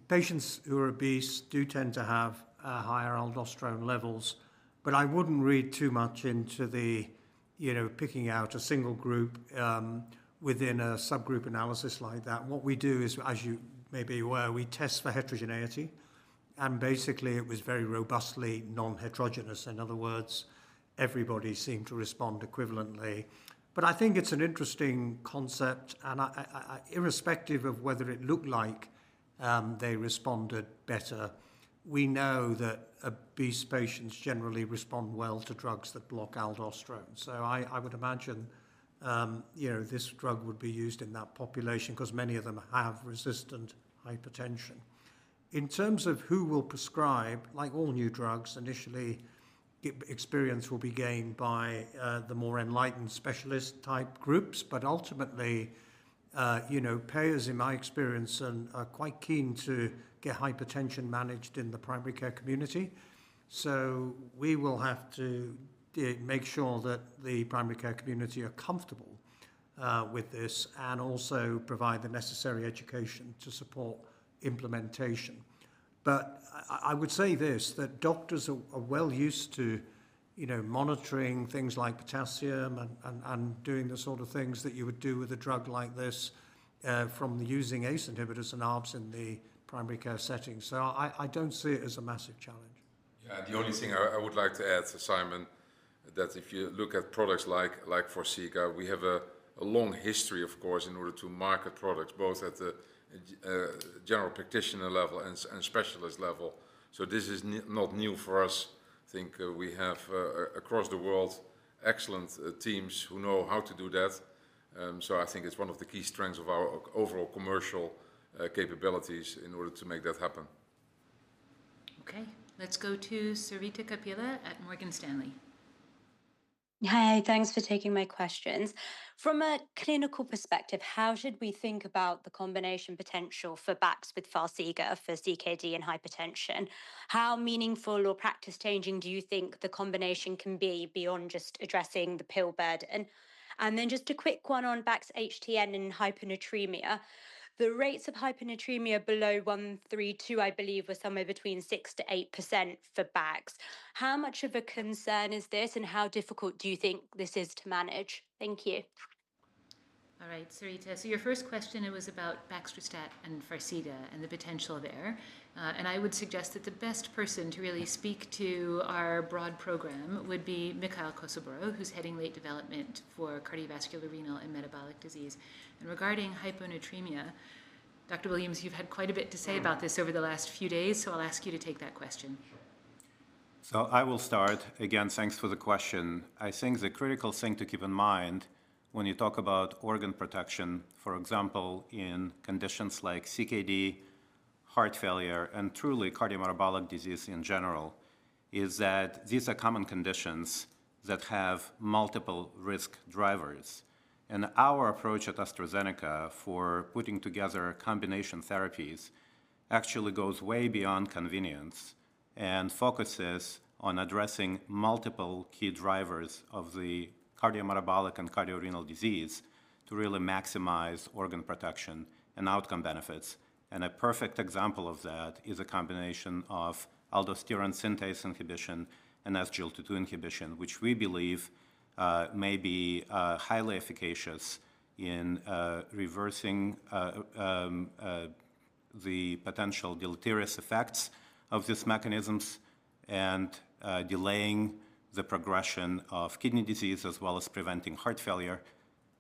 patients who are obese do tend to have higher aldosterone levels, but I wouldn't read too much into picking out a single group within a subgroup analysis like that. What we do is, as you may be aware, we test for heterogeneity. And basically, it was very robustly non-heterogeneous. In other words, everybody seemed to respond equivalently. But I think it's an interesting concept. And irrespective of whether it looked like they responded better, we know that obese patients generally respond well to drugs that block aldosterone. So I would imagine this drug would be used in that population because many of them have resistant hypertension. In terms of who will prescribe, like all new drugs, initially, experience will be gained by the more enlightened specialist-type groups. But ultimately, payers, in my experience, are quite keen to get hypertension managed in the primary care community. We will have to make sure that the primary care community are comfortable with this and also provide the necessary education to support implementation. But I would say this, that doctors are well used to monitoring things like potassium and doing the sort of things that you would do with a drug like this from using ACE inhibitors and ARBs in the primary care setting. So I don't see it as a massive challenge. Yeah, the only thing I would like to add, Simon, that if you look at products like Forxiga, we have a long history, of course, in order to market products both at the general practitioner level and specialist level. So this is not new for us. I think we have, across the world, excellent teams who know how to do that. I think it's one of the key strengths of our overall commercial capabilities in order to make that happen. Okay, let's go to Sarita Kapila at Morgan Stanley. Hi, thanks for taking my questions. From a clinical perspective, how should we think about the combination potential for Bax with Farxiga for CKD and hypertension? How meaningful or practice-changing do you think the combination can be beyond just addressing the pill burden? And then just a quick one on BaxHTN and hyponatremia. The rates of hyponatremia below 132, I believe, were somewhere between 6%-8% for Bax. How much of a concern is this, and how difficult do you think this is to manage? Thank you. All right, Sarita. So your first question, it was about baxdrostat and Farxiga and the potential there. And I would suggest that the best person to really speak to our broad program would be Mikhail Kosiborod, who's heading late development for cardiovascular, renal, and metabolic disease. And regarding hyponatremia, Dr. Williams, you've had quite a bit to say about this over the last few days, so I'll ask you to take that question. So I will start. Again, thanks for the question. I think the critical thing to keep in mind when you talk about organ protection, for example, in conditions like CKD, heart failure, and truly cardiometabolic disease in general, is that these are common conditions that have multiple risk drivers. And our approach at AstraZeneca for putting together combination therapies actually goes way beyond convenience and focuses on addressing multiple key drivers of the cardiometabolic and cardiorenal disease to really maximize organ protection and outcome benefits. And a perfect example of that is a combination of aldosterone synthase inhibition and SGLT2 inhibition, which we believe may be highly efficacious in reversing the potential deleterious effects of these mechanisms and delaying the progression of kidney disease as well as preventing heart failure.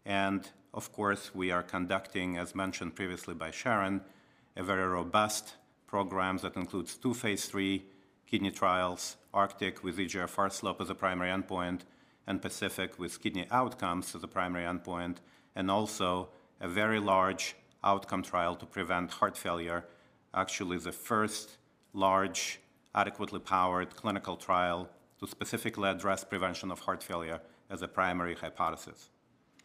And of course, we are conducting, as mentioned previously by Sharon, a very robust program that includes two Phase III kidney trials, Arctic with eGFR slope as a primary endpoint, and Pacific with kidney outcomes as a primary endpoint, and also a very large outcome trial to prevent heart failure, actually the first large adequately powered clinical trial to specifically address prevention of heart failure as a primary hypothesis.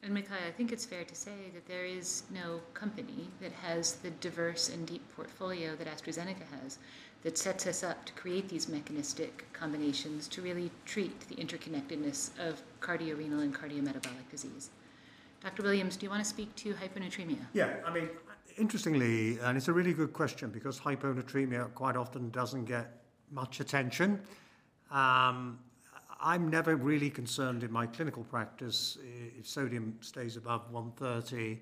And Mikhail, I think it's fair to say that there is no company that has the diverse and deep portfolio that AstraZeneca has that sets us up to create these mechanistic combinations to really treat the interconnectedness of cardiorenal and cardiometabolic disease. Dr. Williams, do you want to speak to hyponatremia? Yeah, I mean, interestingly, and it's a really good question because hyponatremia quite often doesn't get much attention. I'm never really concerned in my clinical practice if sodium stays above 130.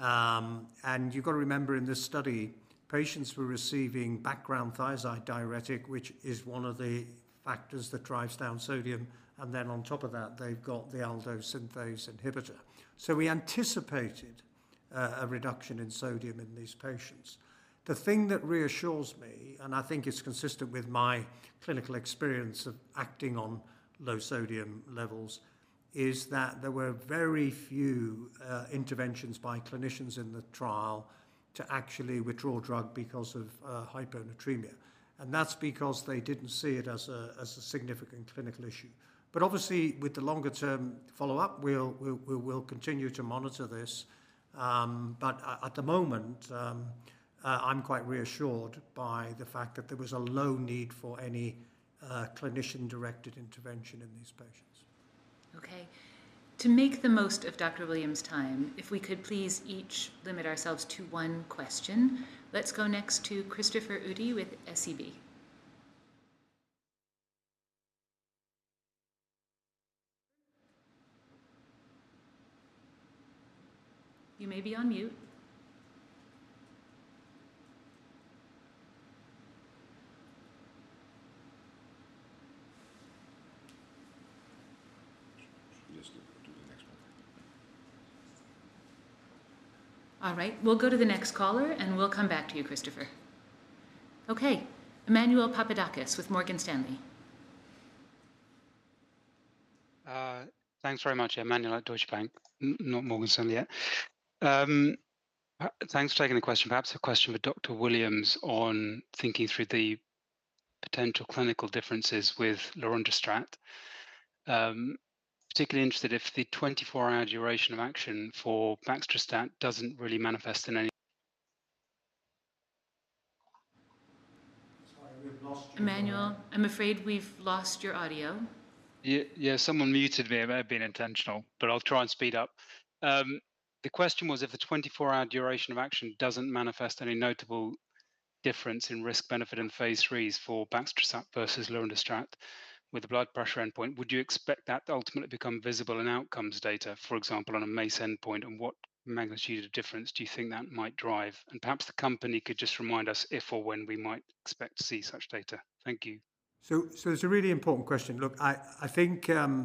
And you've got to remember in this study, patients were receiving background thiazide diuretic, which is one of the factors that drives down sodium. And then on top of that, they've got the aldosterone synthase inhibitor. So we anticipated a reduction in sodium in these patients. The thing that reassures me, and I think it's consistent with my clinical experience of acting on low sodium levels, is that there were very few interventions by clinicians in the trial to actually withdraw drug because of hyponatremia, and that's because they didn't see it as a significant clinical issue, but obviously, with the longer-term follow-up, we'll continue to monitor this, but at the moment, I'm quite reassured by the fact that there was a low need for any clinician-directed intervention in these patients. Okay, to make the most of Dr. Williams' time, if we could please each limit ourselves to one question. Let's go next to Christopher Uhde with SEB. You may be on mute. All right, we'll go to the next caller, and we'll come back to you, Christopher. Okay, Emmanuel Papadakis with Morgan Stanley. Thanks very much, Emmanuel at Deutsche Bank, not Morgan Stanley yet. Thanks for taking the question. Perhaps a question for Dr. Williams on thinking through the potential clinical differences with lorundrostat. Particularly interested if the 24-hour duration of action for baxdrostat doesn't really manifest in. Emmanuel, I'm afraid we've lost your audio. Yeah, someone muted me. It may have been intentional, but I'll try and speed up. The question was if a 24-hour duration of action doesn't really manifest any notable difference in risk-benefit and Phase IIIs for baxdrostat versus lorundrostat with the blood pressure endpoint, would you expect that to ultimately become visible in outcomes data, for example, on a MACE endpoint? And what magnitude of difference do you think that might drive? And perhaps the company could just remind us if or when we might expect to see such data. Thank you. So it's a really important question. Look, I think in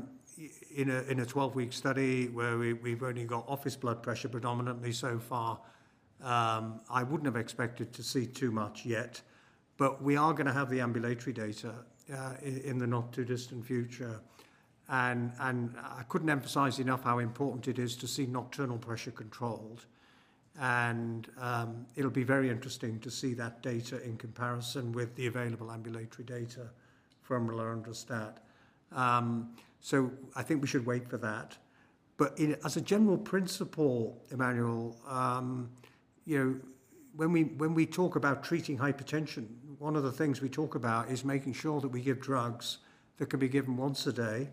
a 12-week study where we've only got office blood pressure predominantly so far, I wouldn't have expected to see too much yet, but we are going to have the ambulatory data in the not-too-distant future, and I couldn't emphasize enough how important it is to see nocturnal pressure controlled, and it'll be very interesting to see that data in comparison with the available ambulatory data from lorundrostat, so I think we should wait for that, but as a general principle, Emmanuel, when we talk about treating hypertension, one of the things we talk about is making sure that we give drugs that can be given once a day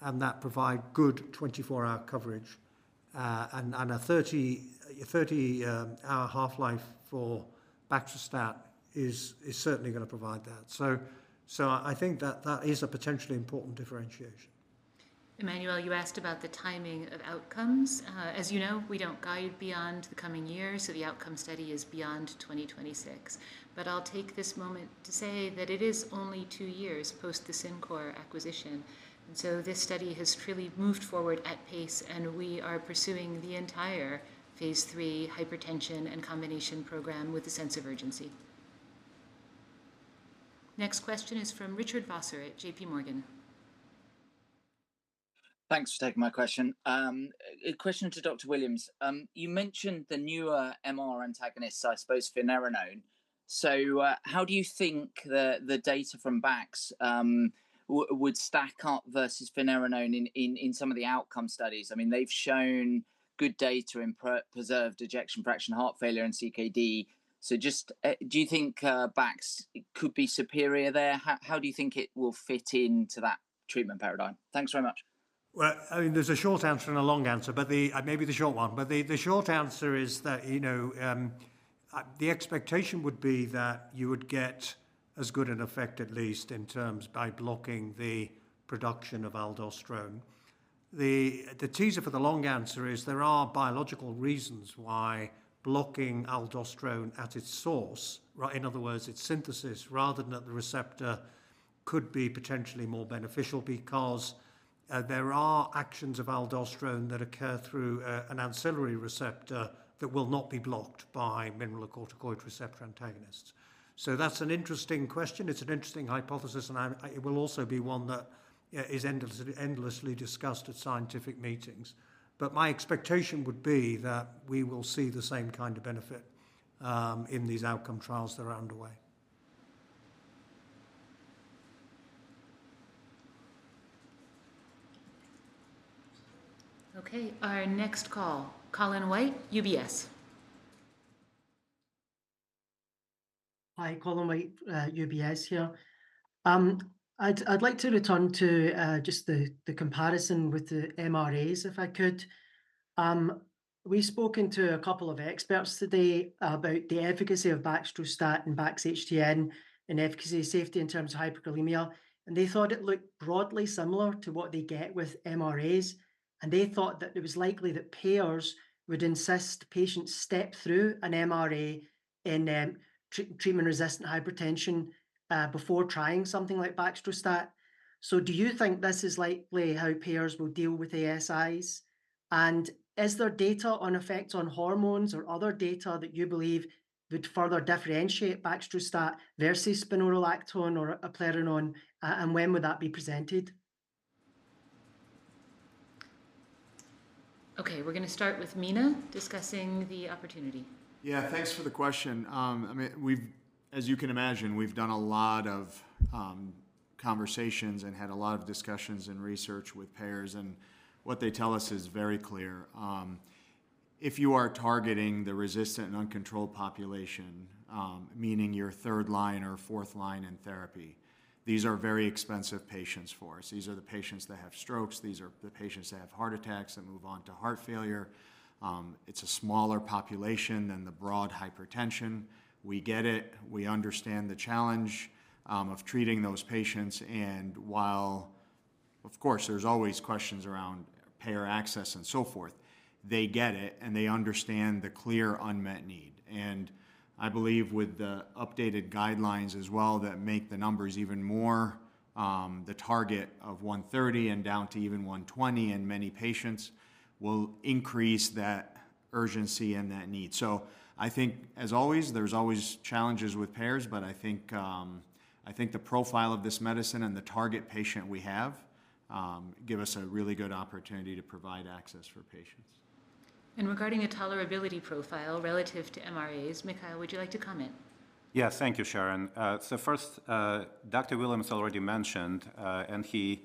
and that provide good 24-hour coverage, and a 30-hour half-life for baxdrostat is certainly going to provide that, so I think that that is a potentially important differentiation. Emmanuel, you asked about the timing of outcomes. As you know, we don't guide beyond the coming year, so the outcome study is beyond 2026. But I'll take this moment to say that it is only two years post the CinCor acquisition. And so this study has truly moved forward at pace, and we are pursuing the entire Phase III hypertension and combination program with a sense of urgency. Next question is from Richard Vosser at JPMorgan. Thanks for taking my question. Question to Dr. Williams. You mentioned the newer MR antagonists, I suppose, finerenone. So how do you think the data from Bax would stack up versus finerenone in some of the outcome studies? I mean, they've shown good data in preserved ejection fraction, heart failure, and CKD. So just do you think Bax could be superior there? How do you think it will fit into that treatment paradigm? Thanks very much. I mean, there's a short answer and a long answer, but maybe the short one. But the short answer is that the expectation would be that you would get as good an effect, at least in terms by blocking the production of aldosterone. The teaser for the long answer is there are biological reasons why blocking aldosterone at its source, in other words, its synthesis, rather than at the receptor, could be potentially more beneficial because there are actions of aldosterone that occur through an ancillary receptor that will not be blocked by mineralocorticoid receptor antagonists. That's an interesting question. It's an interesting hypothesis, and it will also be one that is endlessly discussed at scientific meetings. My expectation would be that we will see the same kind of benefit in these outcome trials that are underway. Okay, our next caller, Colin White, UBS. Hi, Colin White, UBS here. I'd like to return to just the comparison with the MRAs, if I could. We've spoken to a couple of experts today about the efficacy of baxdrostat and BaxHTN and efficacy safety in terms of hyperkalemia. They thought it looked broadly similar to what they get with MRAs. They thought that it was likely that payers would insist patients step through an MRA in treatment-resistant hypertension before trying something like baxdrostat. Do you think this is likely how payers will deal with ASIs? Is there data on effects on hormones or other data that you believe would further differentiate baxdrostat versus spironolactone or eplerenone? When would that be presented? Okay, we're going to start with Mina discussing the opportunity. Yeah, thanks for the question. I mean, as you can imagine, we've done a lot of conversations and had a lot of discussions and research with payers, and what they tell us is very clear. If you are targeting the resistant and uncontrolled population, meaning your third line or fourth line in therapy, these are very expensive patients for us. These are the patients that have strokes. These are the patients that have heart attacks that move on to heart failure. It's a smaller population than the broad hypertension. We get it. We understand the challenge of treating those patients, and while, of course, there's always questions around payer access and so forth, they get it, and they understand the clear unmet need. I believe with the updated guidelines as well that make the numbers even more, the target of 130 and down to even 120 in many patients will increase that urgency and that need. So I think, as always, there's always challenges with payers, but I think the profile of this medicine and the target patient we have give us a really good opportunity to provide access for patients. And regarding the tolerability profile relative to MRAs, Mikhail, would you like to comment? Yeah, thank you, Sharon. So first, Dr. Williams already mentioned, and he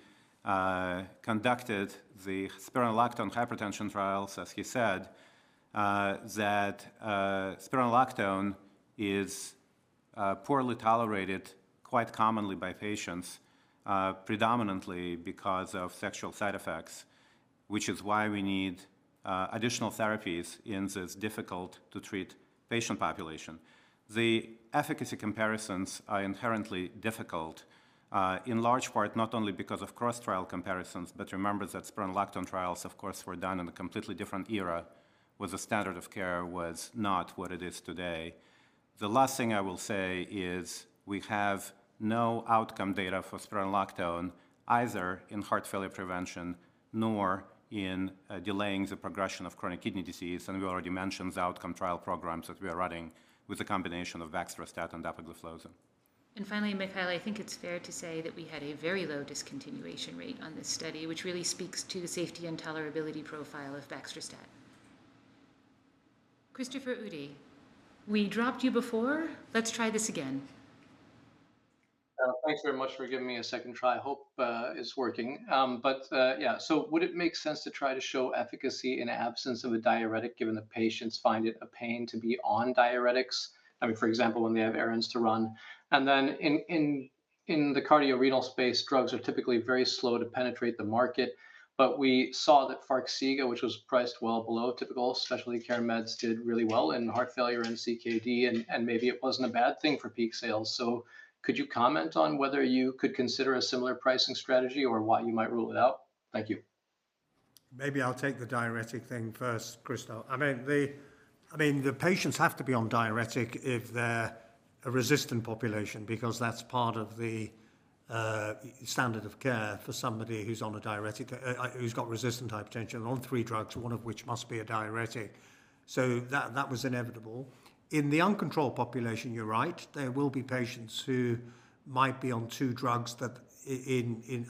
conducted the spironolactone hypertension trials, as he said, that spironolactone is poorly tolerated quite commonly by patients, predominantly because of sexual side effects, which is why we need additional therapies in this difficult-to-treat patient population. The efficacy comparisons are inherently difficult, in large part, not only because of cross-trial comparisons, but remember that spironolactone trials, of course, were done in a completely different era, where the standard of care was not what it is today. The last thing I will say is we have no outcome data for spironolactone either in heart failure prevention nor in delaying the progression of chronic kidney disease. And we already mentioned the outcome trial programs that we are running with a combination of baxdrostat and dapagliflozin. And finally, Mikhail, I think it's fair to say that we had a very low discontinuation rate on this study, which really speaks to the safety and tolerability profile of baxdrostat. Christopher Uhde, we dropped you before. Let's try this again. Thanks very much for giving me a second try. I hope it's working. But yeah, so would it make sense to try to show efficacy in absence of a diuretic given the patients find it a pain to be on diuretics? I mean, for example, when they have errands to run. And then in the cardiorenal space, drugs are typically very slow to penetrate the market. But we saw that Farxiga, which was priced well below typical specialty care meds, did really well in heart failure and CKD, and maybe it wasn't a bad thing for peak sales. So could you comment on whether you could consider a similar pricing strategy or why you might rule it out? Thank you. Maybe I'll take the diuretic thing first, Christo. I mean, the patients have to be on diuretic if they're a resistant population because that's part of the standard of care for somebody who's on a diuretic, who's got resistant hypertension, on three drugs, one of which must be a diuretic. So that was inevitable. In the uncontrolled population, you're right, there will be patients who might be on two drugs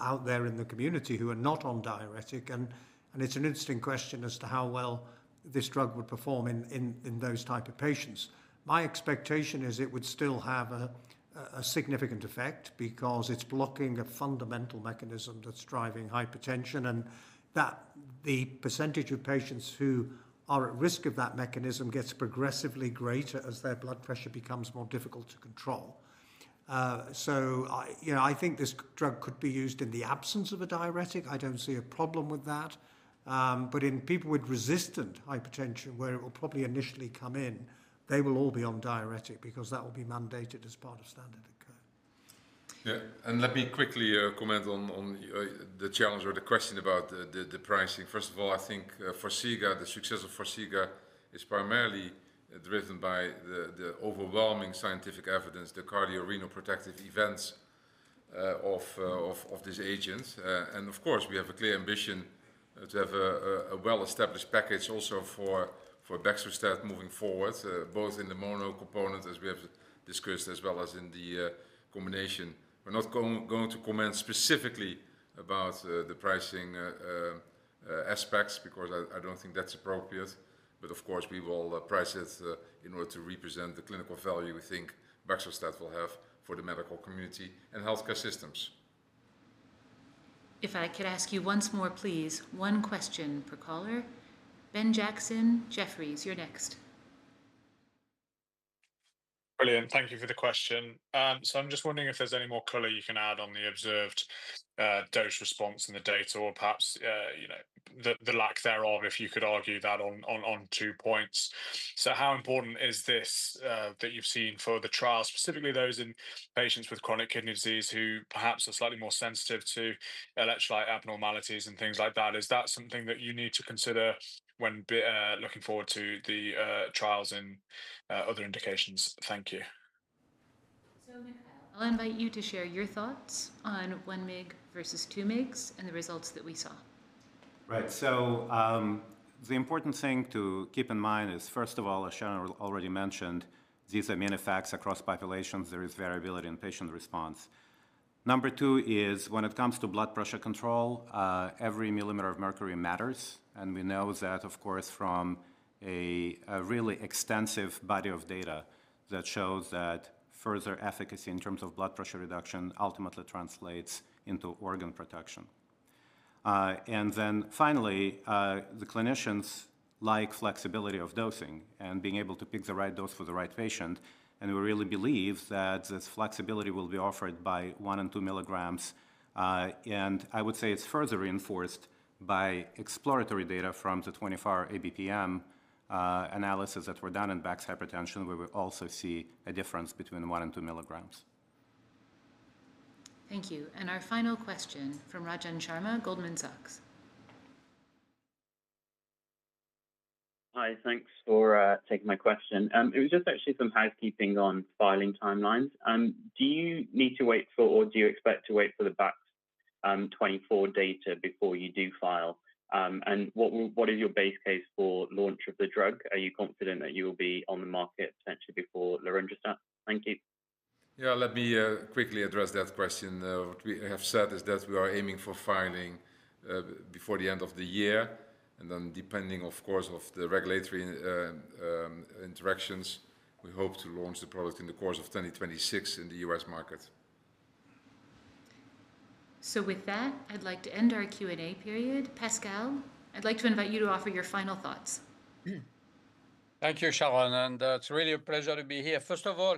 out there in the community who are not on diuretic. And it's an interesting question as to how well this drug would perform in those types of patients. My expectation is it would still have a significant effect because it's blocking a fundamental mechanism that's driving hypertension. And the percentage of patients who are at risk of that mechanism gets progressively greater as their blood pressure becomes more difficult to control. So I think this drug could be used in the absence of a diuretic. I don't see a problem with that. But in people with resistant hypertension, where it will probably initially come in, they will all be on diuretic because that will be mandated as part of standard of care. Yeah, and let me quickly comment on the challenge or the question about the pricing. First of all, I think the success of Farxiga is primarily driven by the overwhelming scientific evidence, the cardiorenal protective events of this agent. And of course, we have a clear ambition to have a well-established package also for baxdrostat moving forward, both in the mono component, as we have discussed, as well as in the combination. We're not going to comment specifically about the pricing aspects because I don't think that's appropriate. But of course, we will price it in order to represent the clinical value we think baxdrostat will have for the medical community and healthcare systems. If I could ask you once more, please, one question per caller. Ben Jackson Jefferies, you're next. Brilliant. Thank you for the question. So I'm just wondering if there's any more color you can add on the observed dose response in the data or perhaps the lack thereof, if you could argue that on two points. So how important is this that you've seen for the trials, specifically those in patients with chronic kidney disease who perhaps are slightly more sensitive to electrolyte abnormalities and things like that? Is that something that you need to consider when looking forward to the trials and other indications? Thank you. So Mikhail, I'll invite you to share your thoughts on one mg versus two mgs and the results that we saw. Right. So the important thing to keep in mind is, first of all, as Sharon already mentioned, these are main effects across populations. There is variability in patient response. Number two is when it comes to blood pressure control, every millimeter of mercury matters. And we know that, of course, from a really extensive body of data that shows that further efficacy in terms of blood pressure reduction ultimately translates into organ protection. And then finally, the clinicians like flexibility of dosing and being able to pick the right dose for the right patient. And we really believe that this flexibility will be offered by one and two milligrams. I would say it's further reinforced by exploratory data from the 24-hour ABPM analysis that were done in BaxHTN, where we also see a difference between one and two milligrams. Thank you. Our final question from Rajan Sharma, Goldman Sachs. Hi, thanks for taking my question. It was just actually some housekeeping on filing timelines. Do you need to wait for, or do you expect to wait for the Bax24 data before you do file? And what is your base case for launch of the drug? Are you confident that you will be on the market potentially before lorundrostat? Thank you. Yeah, let me quickly address that question. What we have said is that we are aiming for filing before the end of the year. Then depending, of course, on the regulatory interactions, we hope to launch the product in the course of 2026 in the U.S. market. So with that, I'd like to end our Q&A period. Pascal, I'd like to invite you to offer your final thoughts. Thank you, Sharon. It's really a pleasure to be here. First of all,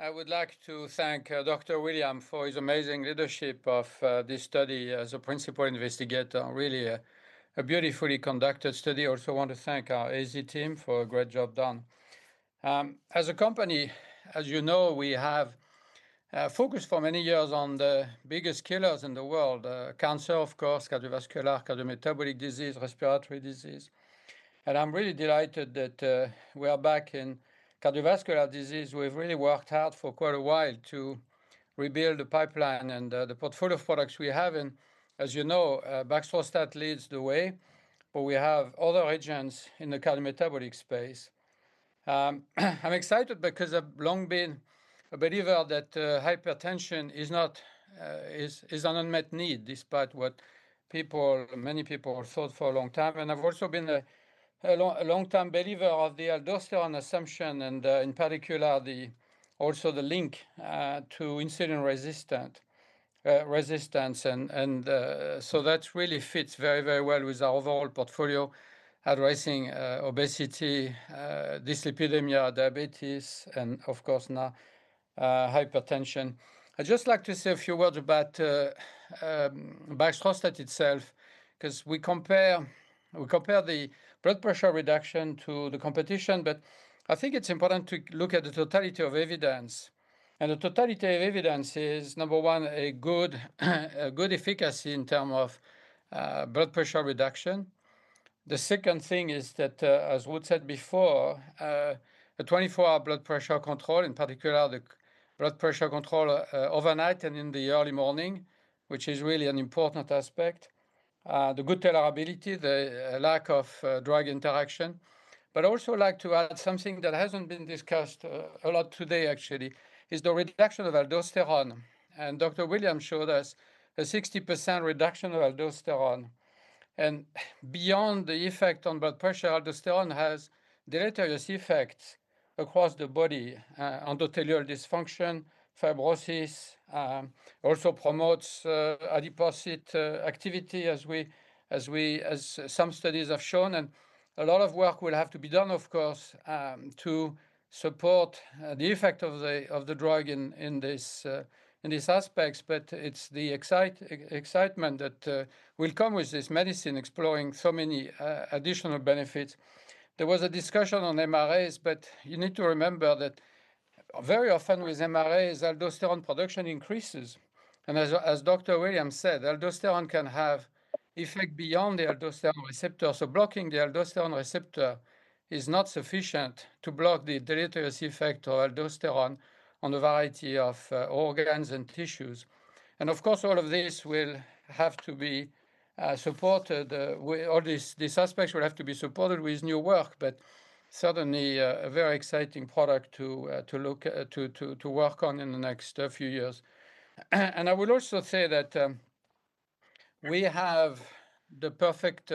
I would like to thank Dr. Williams for his amazing leadership of this study as a principal investigator, really a beautifully conducted study. Also want to thank our AZ team for a great job done. As a company, as you know, we have focused for many years on the biggest killers in the world: cancer, of course, cardiovascular, cardiometabolic disease, respiratory disease. I'm really delighted that we are back in cardiovascular disease. We've really worked hard for quite a while to rebuild the pipeline and the portfolio of products we have. As you know, baxdrostat leads the way, but we have other agents in the cardiometabolic space. I'm excited because I've long been a believer that hypertension is an unmet need, despite what many people thought for a long time. I've also been a long-time believer of the aldosterone antagonism and in particular also the link to insulin resistance. That really fits very, very well with our overall portfolio addressing obesity, dyslipidemia, diabetes, and of course, now hypertension. I'd just like to say a few words about baxdrostat itself because we compare the blood pressure reduction to the competition. I think it's important to look at the totality of evidence. The totality of evidence is, number one, a good efficacy in terms of blood pressure reduction. The second thing is that, as Ruud said before, the 24-hour blood pressure control, in particular the blood pressure control overnight and in the early morning, which is really an important aspect, the good tolerability, the lack of drug interaction. I'd also like to add something that hasn't been discussed a lot today, actually, is the reduction of aldosterone. Dr. Williams showed us a 60% reduction of aldosterone. Beyond the effect on blood pressure, aldosterone has deleterious effects across the body: endothelial dysfunction, fibrosis, also promotes adipose activity, as some studies have shown. A lot of work will have to be done, of course, to support the effect of the drug in these aspects. It's the excitement that will come with this medicine, exploring so many additional benefits. There was a discussion on MRAs, but you need to remember that very often with MRAs, aldosterone production increases. And as Dr. Williams said, aldosterone can have effect beyond the aldosterone receptor. So blocking the aldosterone receptor is not sufficient to block the deleterious effect of aldosterone on a variety of organs and tissues. And of course, all of this will have to be supported. All these aspects will have to be supported with new work, but certainly a very exciting product to work on in the next few years. And I would also say that we have the perfect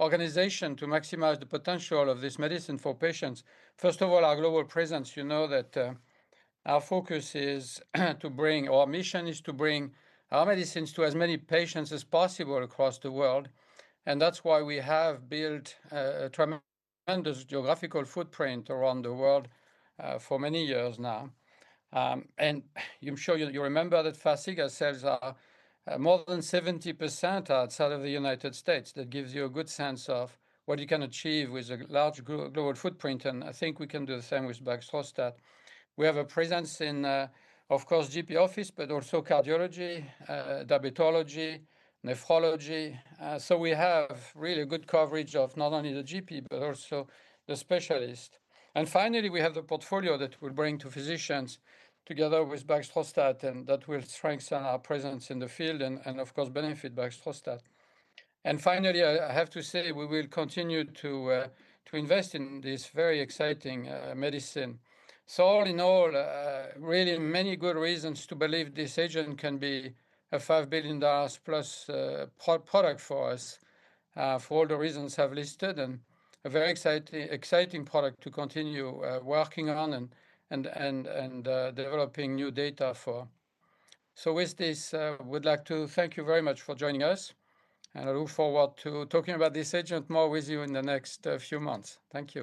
organization to maximize the potential of this medicine for patients. First of all, our global presence, you know that our focus is to bring our mission is to bring our medicines to as many patients as possible across the world. And that's why we have built a tremendous geographical footprint around the world for many years now. And I'm sure you remember that Farxiga sales are more than 70% outside of the United States. That gives you a good sense of what you can achieve with a large global footprint. And I think we can do the same with baxdrostat. We have a presence in, of course, GP office, but also cardiology, dermatology, nephrology. So we have really good coverage of not only the GP, but also the specialist. And finally, we have the portfolio that we'll bring to physicians together with baxdrostat, and that will strengthen our presence in the field and, of course, benefit baxdrostat. And finally, I have to say we will continue to invest in this very exciting medicine. So all in all, really many good reasons to believe this agent can be a $5 billion+ product for us for all the reasons I've listed, and a very exciting product to continue working on and developing new data for, so with this, I would like to thank you very much for joining us, and I look forward to talking about this agent more with you in the next few months. Thank you.